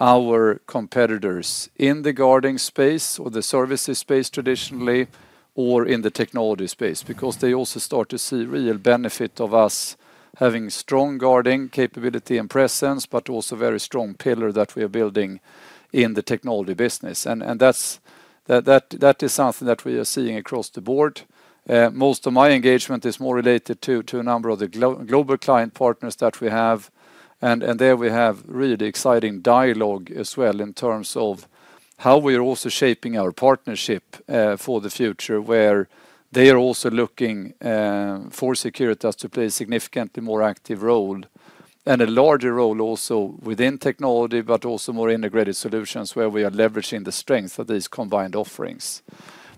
our competitors in the guarding space or the services space traditionally or in the technology space because they also start to see real benefit of us having strong guarding capability and presence, but also very strong pillar that we are building in the technology business. That is something that we are seeing across the board. Most of my engagement is more related to a number of the global client partners that we have. There we have really exciting dialogue as well in terms of how we are also shaping our partnership for the future where they are also looking for security as to play a significantly more active role and a larger role also within technology, but also more integrated solutions where we are leveraging the strength of these combined offerings.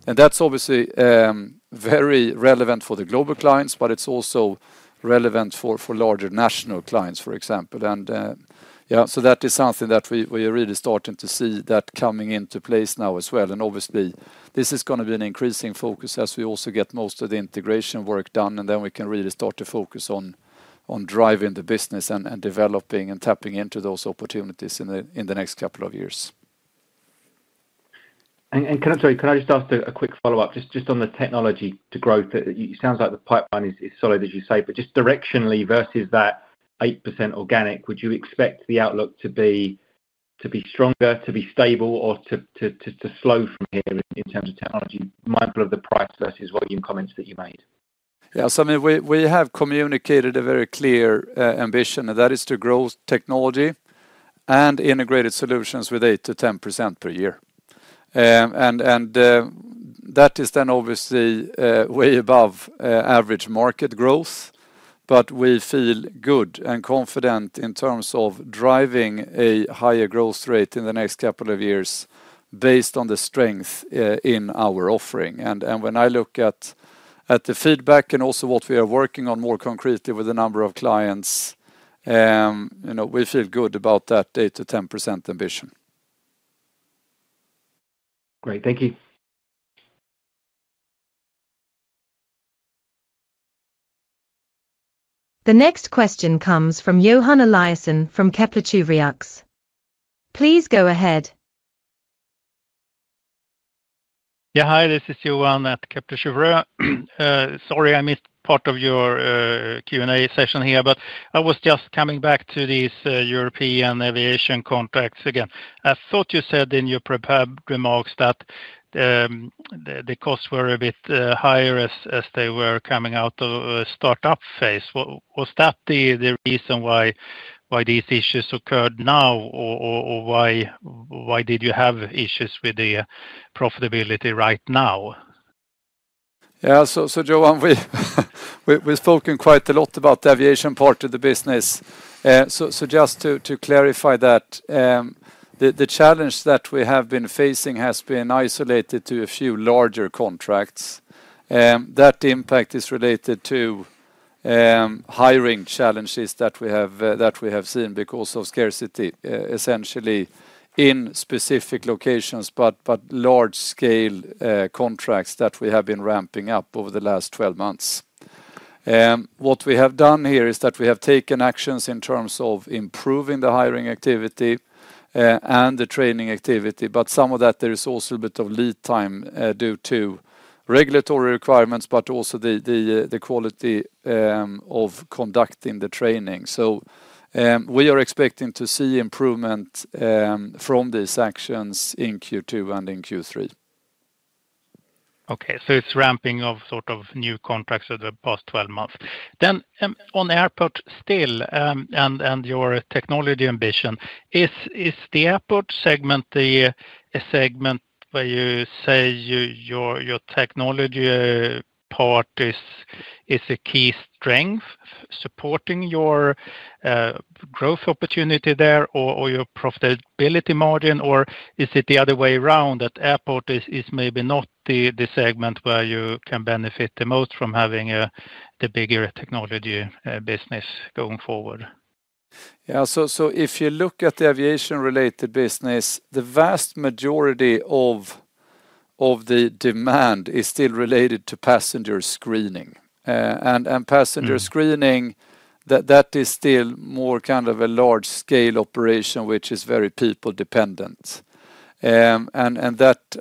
That's obviously very relevant for the global clients, but it's also relevant for larger national clients, for example. Yeah, so that is something that we are really starting to see that coming into place now as well. Obviously, this is going to be an increasing focus as we also get most of the integration work done, and then we can really start to focus on driving the business and developing and tapping into those opportunities in the next couple of years. Can I just ask a quick follow-up just on the technology to growth? It sounds like the pipeline is solid, as you say, but just directionally versus that 8% organic, would you expect the outlook to be stronger, to be stable, or to slow from here in terms of technology, mindful of the price versus volume comments that you made? Yeah. So I mean, we have communicated a very clear ambition, and that is to grow technology and integrated solutions with 8%-10% per year. That is then obviously way above average market growth. We feel good and confident in terms of driving a higher growth rate in the next couple of years based on the strength in our offering. When I look at the feedback and also what we are working on more concretely with a number of clients, we feel good about that 8%-10% ambition. Great. Thank you. The next question comes from Johan Eliasson from Kepler Cheuvreux. Please go ahead. Yeah, hi. This is Johan at Kepler Cheuvreux. Sorry, I missed part of your Q&A session here, but I was just coming back to these European aviation contracts again. I thought you said in your prepared remarks that the costs were a bit higher as they were coming out of startup phase. Was that the reason why these issues occurred now? Or why did you have issues with the profitability right now? Yeah. So Johan, we've spoken quite a lot about the aviation part of the business. So just to clarify that, the challenge that we have been facing has been isolated to a few larger contracts. That impact is related to hiring challenges that we have seen because of scarcity, essentially, in specific locations, but large-scale contracts that we have been ramping up over the last 12 months. What we have done here is that we have taken actions in terms of improving the hiring activity and the training activity. But some of that, there is also a bit of lead time due to regulatory requirements, but also the quality of conduct in the training. So we are expecting to see improvement from these actions in Q2 and in Q3. Okay. So it's ramping of sort of new contracts over the past 12 months. Then on airport still and your technology ambition, is the airport segment a segment where you say your technology part is a key strength supporting your growth opportunity there or your profitability margin, or is it the other way around, that airport is maybe not the segment where you can benefit the most from having the bigger technology business going forward? Yeah. So if you look at the aviation-related business, the vast majority of the demand is still related to passenger screening. And passenger screening, that is still more kind of a large-scale operation, which is very people-dependent. And that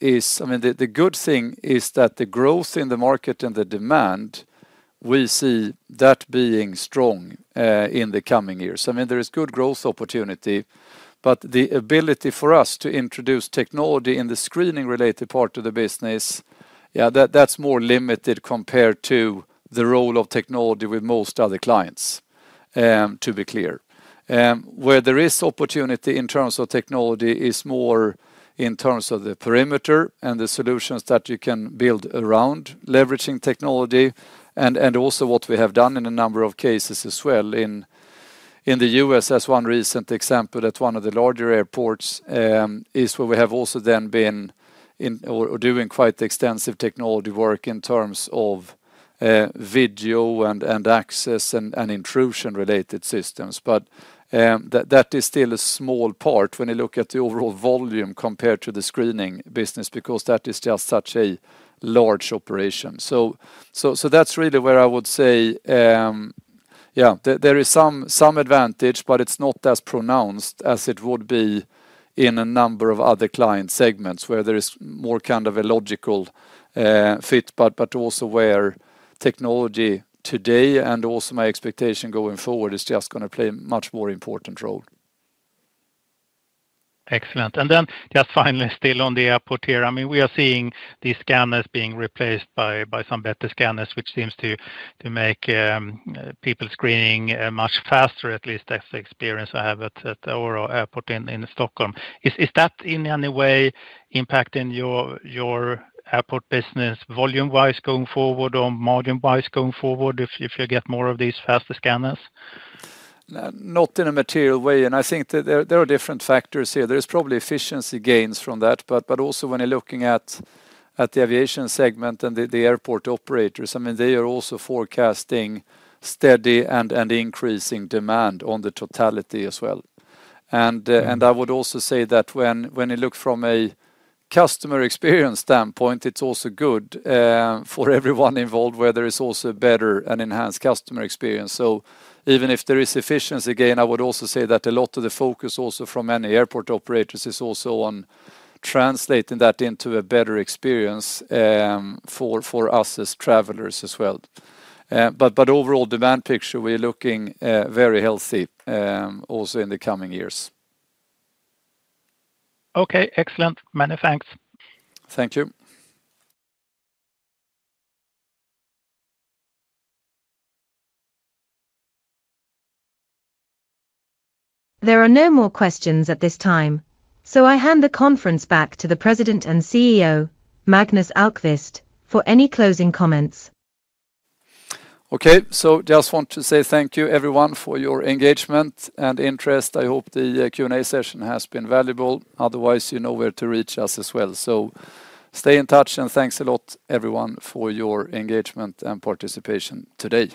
is I mean, the good thing is that the growth in the market and the demand, we see that being strong in the coming years. I mean, there is good growth opportunity, but the ability for us to introduce technology in the screening-related part of the business, yeah, that's more limited compared to the role of technology with most other clients, to be clear. Where there is opportunity in terms of technology is more in terms of the perimeter and the solutions that you can build around leveraging technology. And also what we have done in a number of cases as well in the U.S., as one recent example at one of the larger airports, is where we have also then been doing quite extensive technology work in terms of video and access and intrusion-related systems. But that is still a small part when you look at the overall volume compared to the screening business because that is just such a large operation. So that's really where I would say, yeah, there is some advantage, but it's not as pronounced as it would be in a number of other client segments where there is more kind of a logical fit, but also where technology today and also my expectation going forward is just going to play a much more important role. Excellent. And then just finally still on the airport here, I mean, we are seeing these scanners being replaced by some better scanners, which seems to make people screening much faster, at least as the experience I have at Arlanda Airport in Stockholm. Is that in any way impacting your airport business volume-wise going forward or margin-wise going forward if you get more of these faster scanners? Not in a material way. And I think there are different factors here. There is probably efficiency gains from that. But also when you're looking at the aviation segment and the airport operators, I mean, they are also forecasting steady and increasing demand on the totality as well. And I would also say that when you look from a customer experience standpoint, it's also good for everyone involved where there is also better and enhanced customer experience. So even if there is efficiency, again, I would also say that a lot of the focus also from many airport operators is also on translating that into a better experience for us as travelers as well. But overall demand picture, we are looking very healthy also in the coming years. Okay. Excellent. Many thanks. Thank you. There are no more questions at this time, so I hand the conference back to the President and CEO, Magnus Ahlqvist, for any closing comments. Okay. So just want to say thank you, everyone, for your engagement and interest. I hope the Q&A session has been valuable. Otherwise, you know where to reach us as well. So stay in touch, and thanks a lot, everyone, for your engagement and participation today.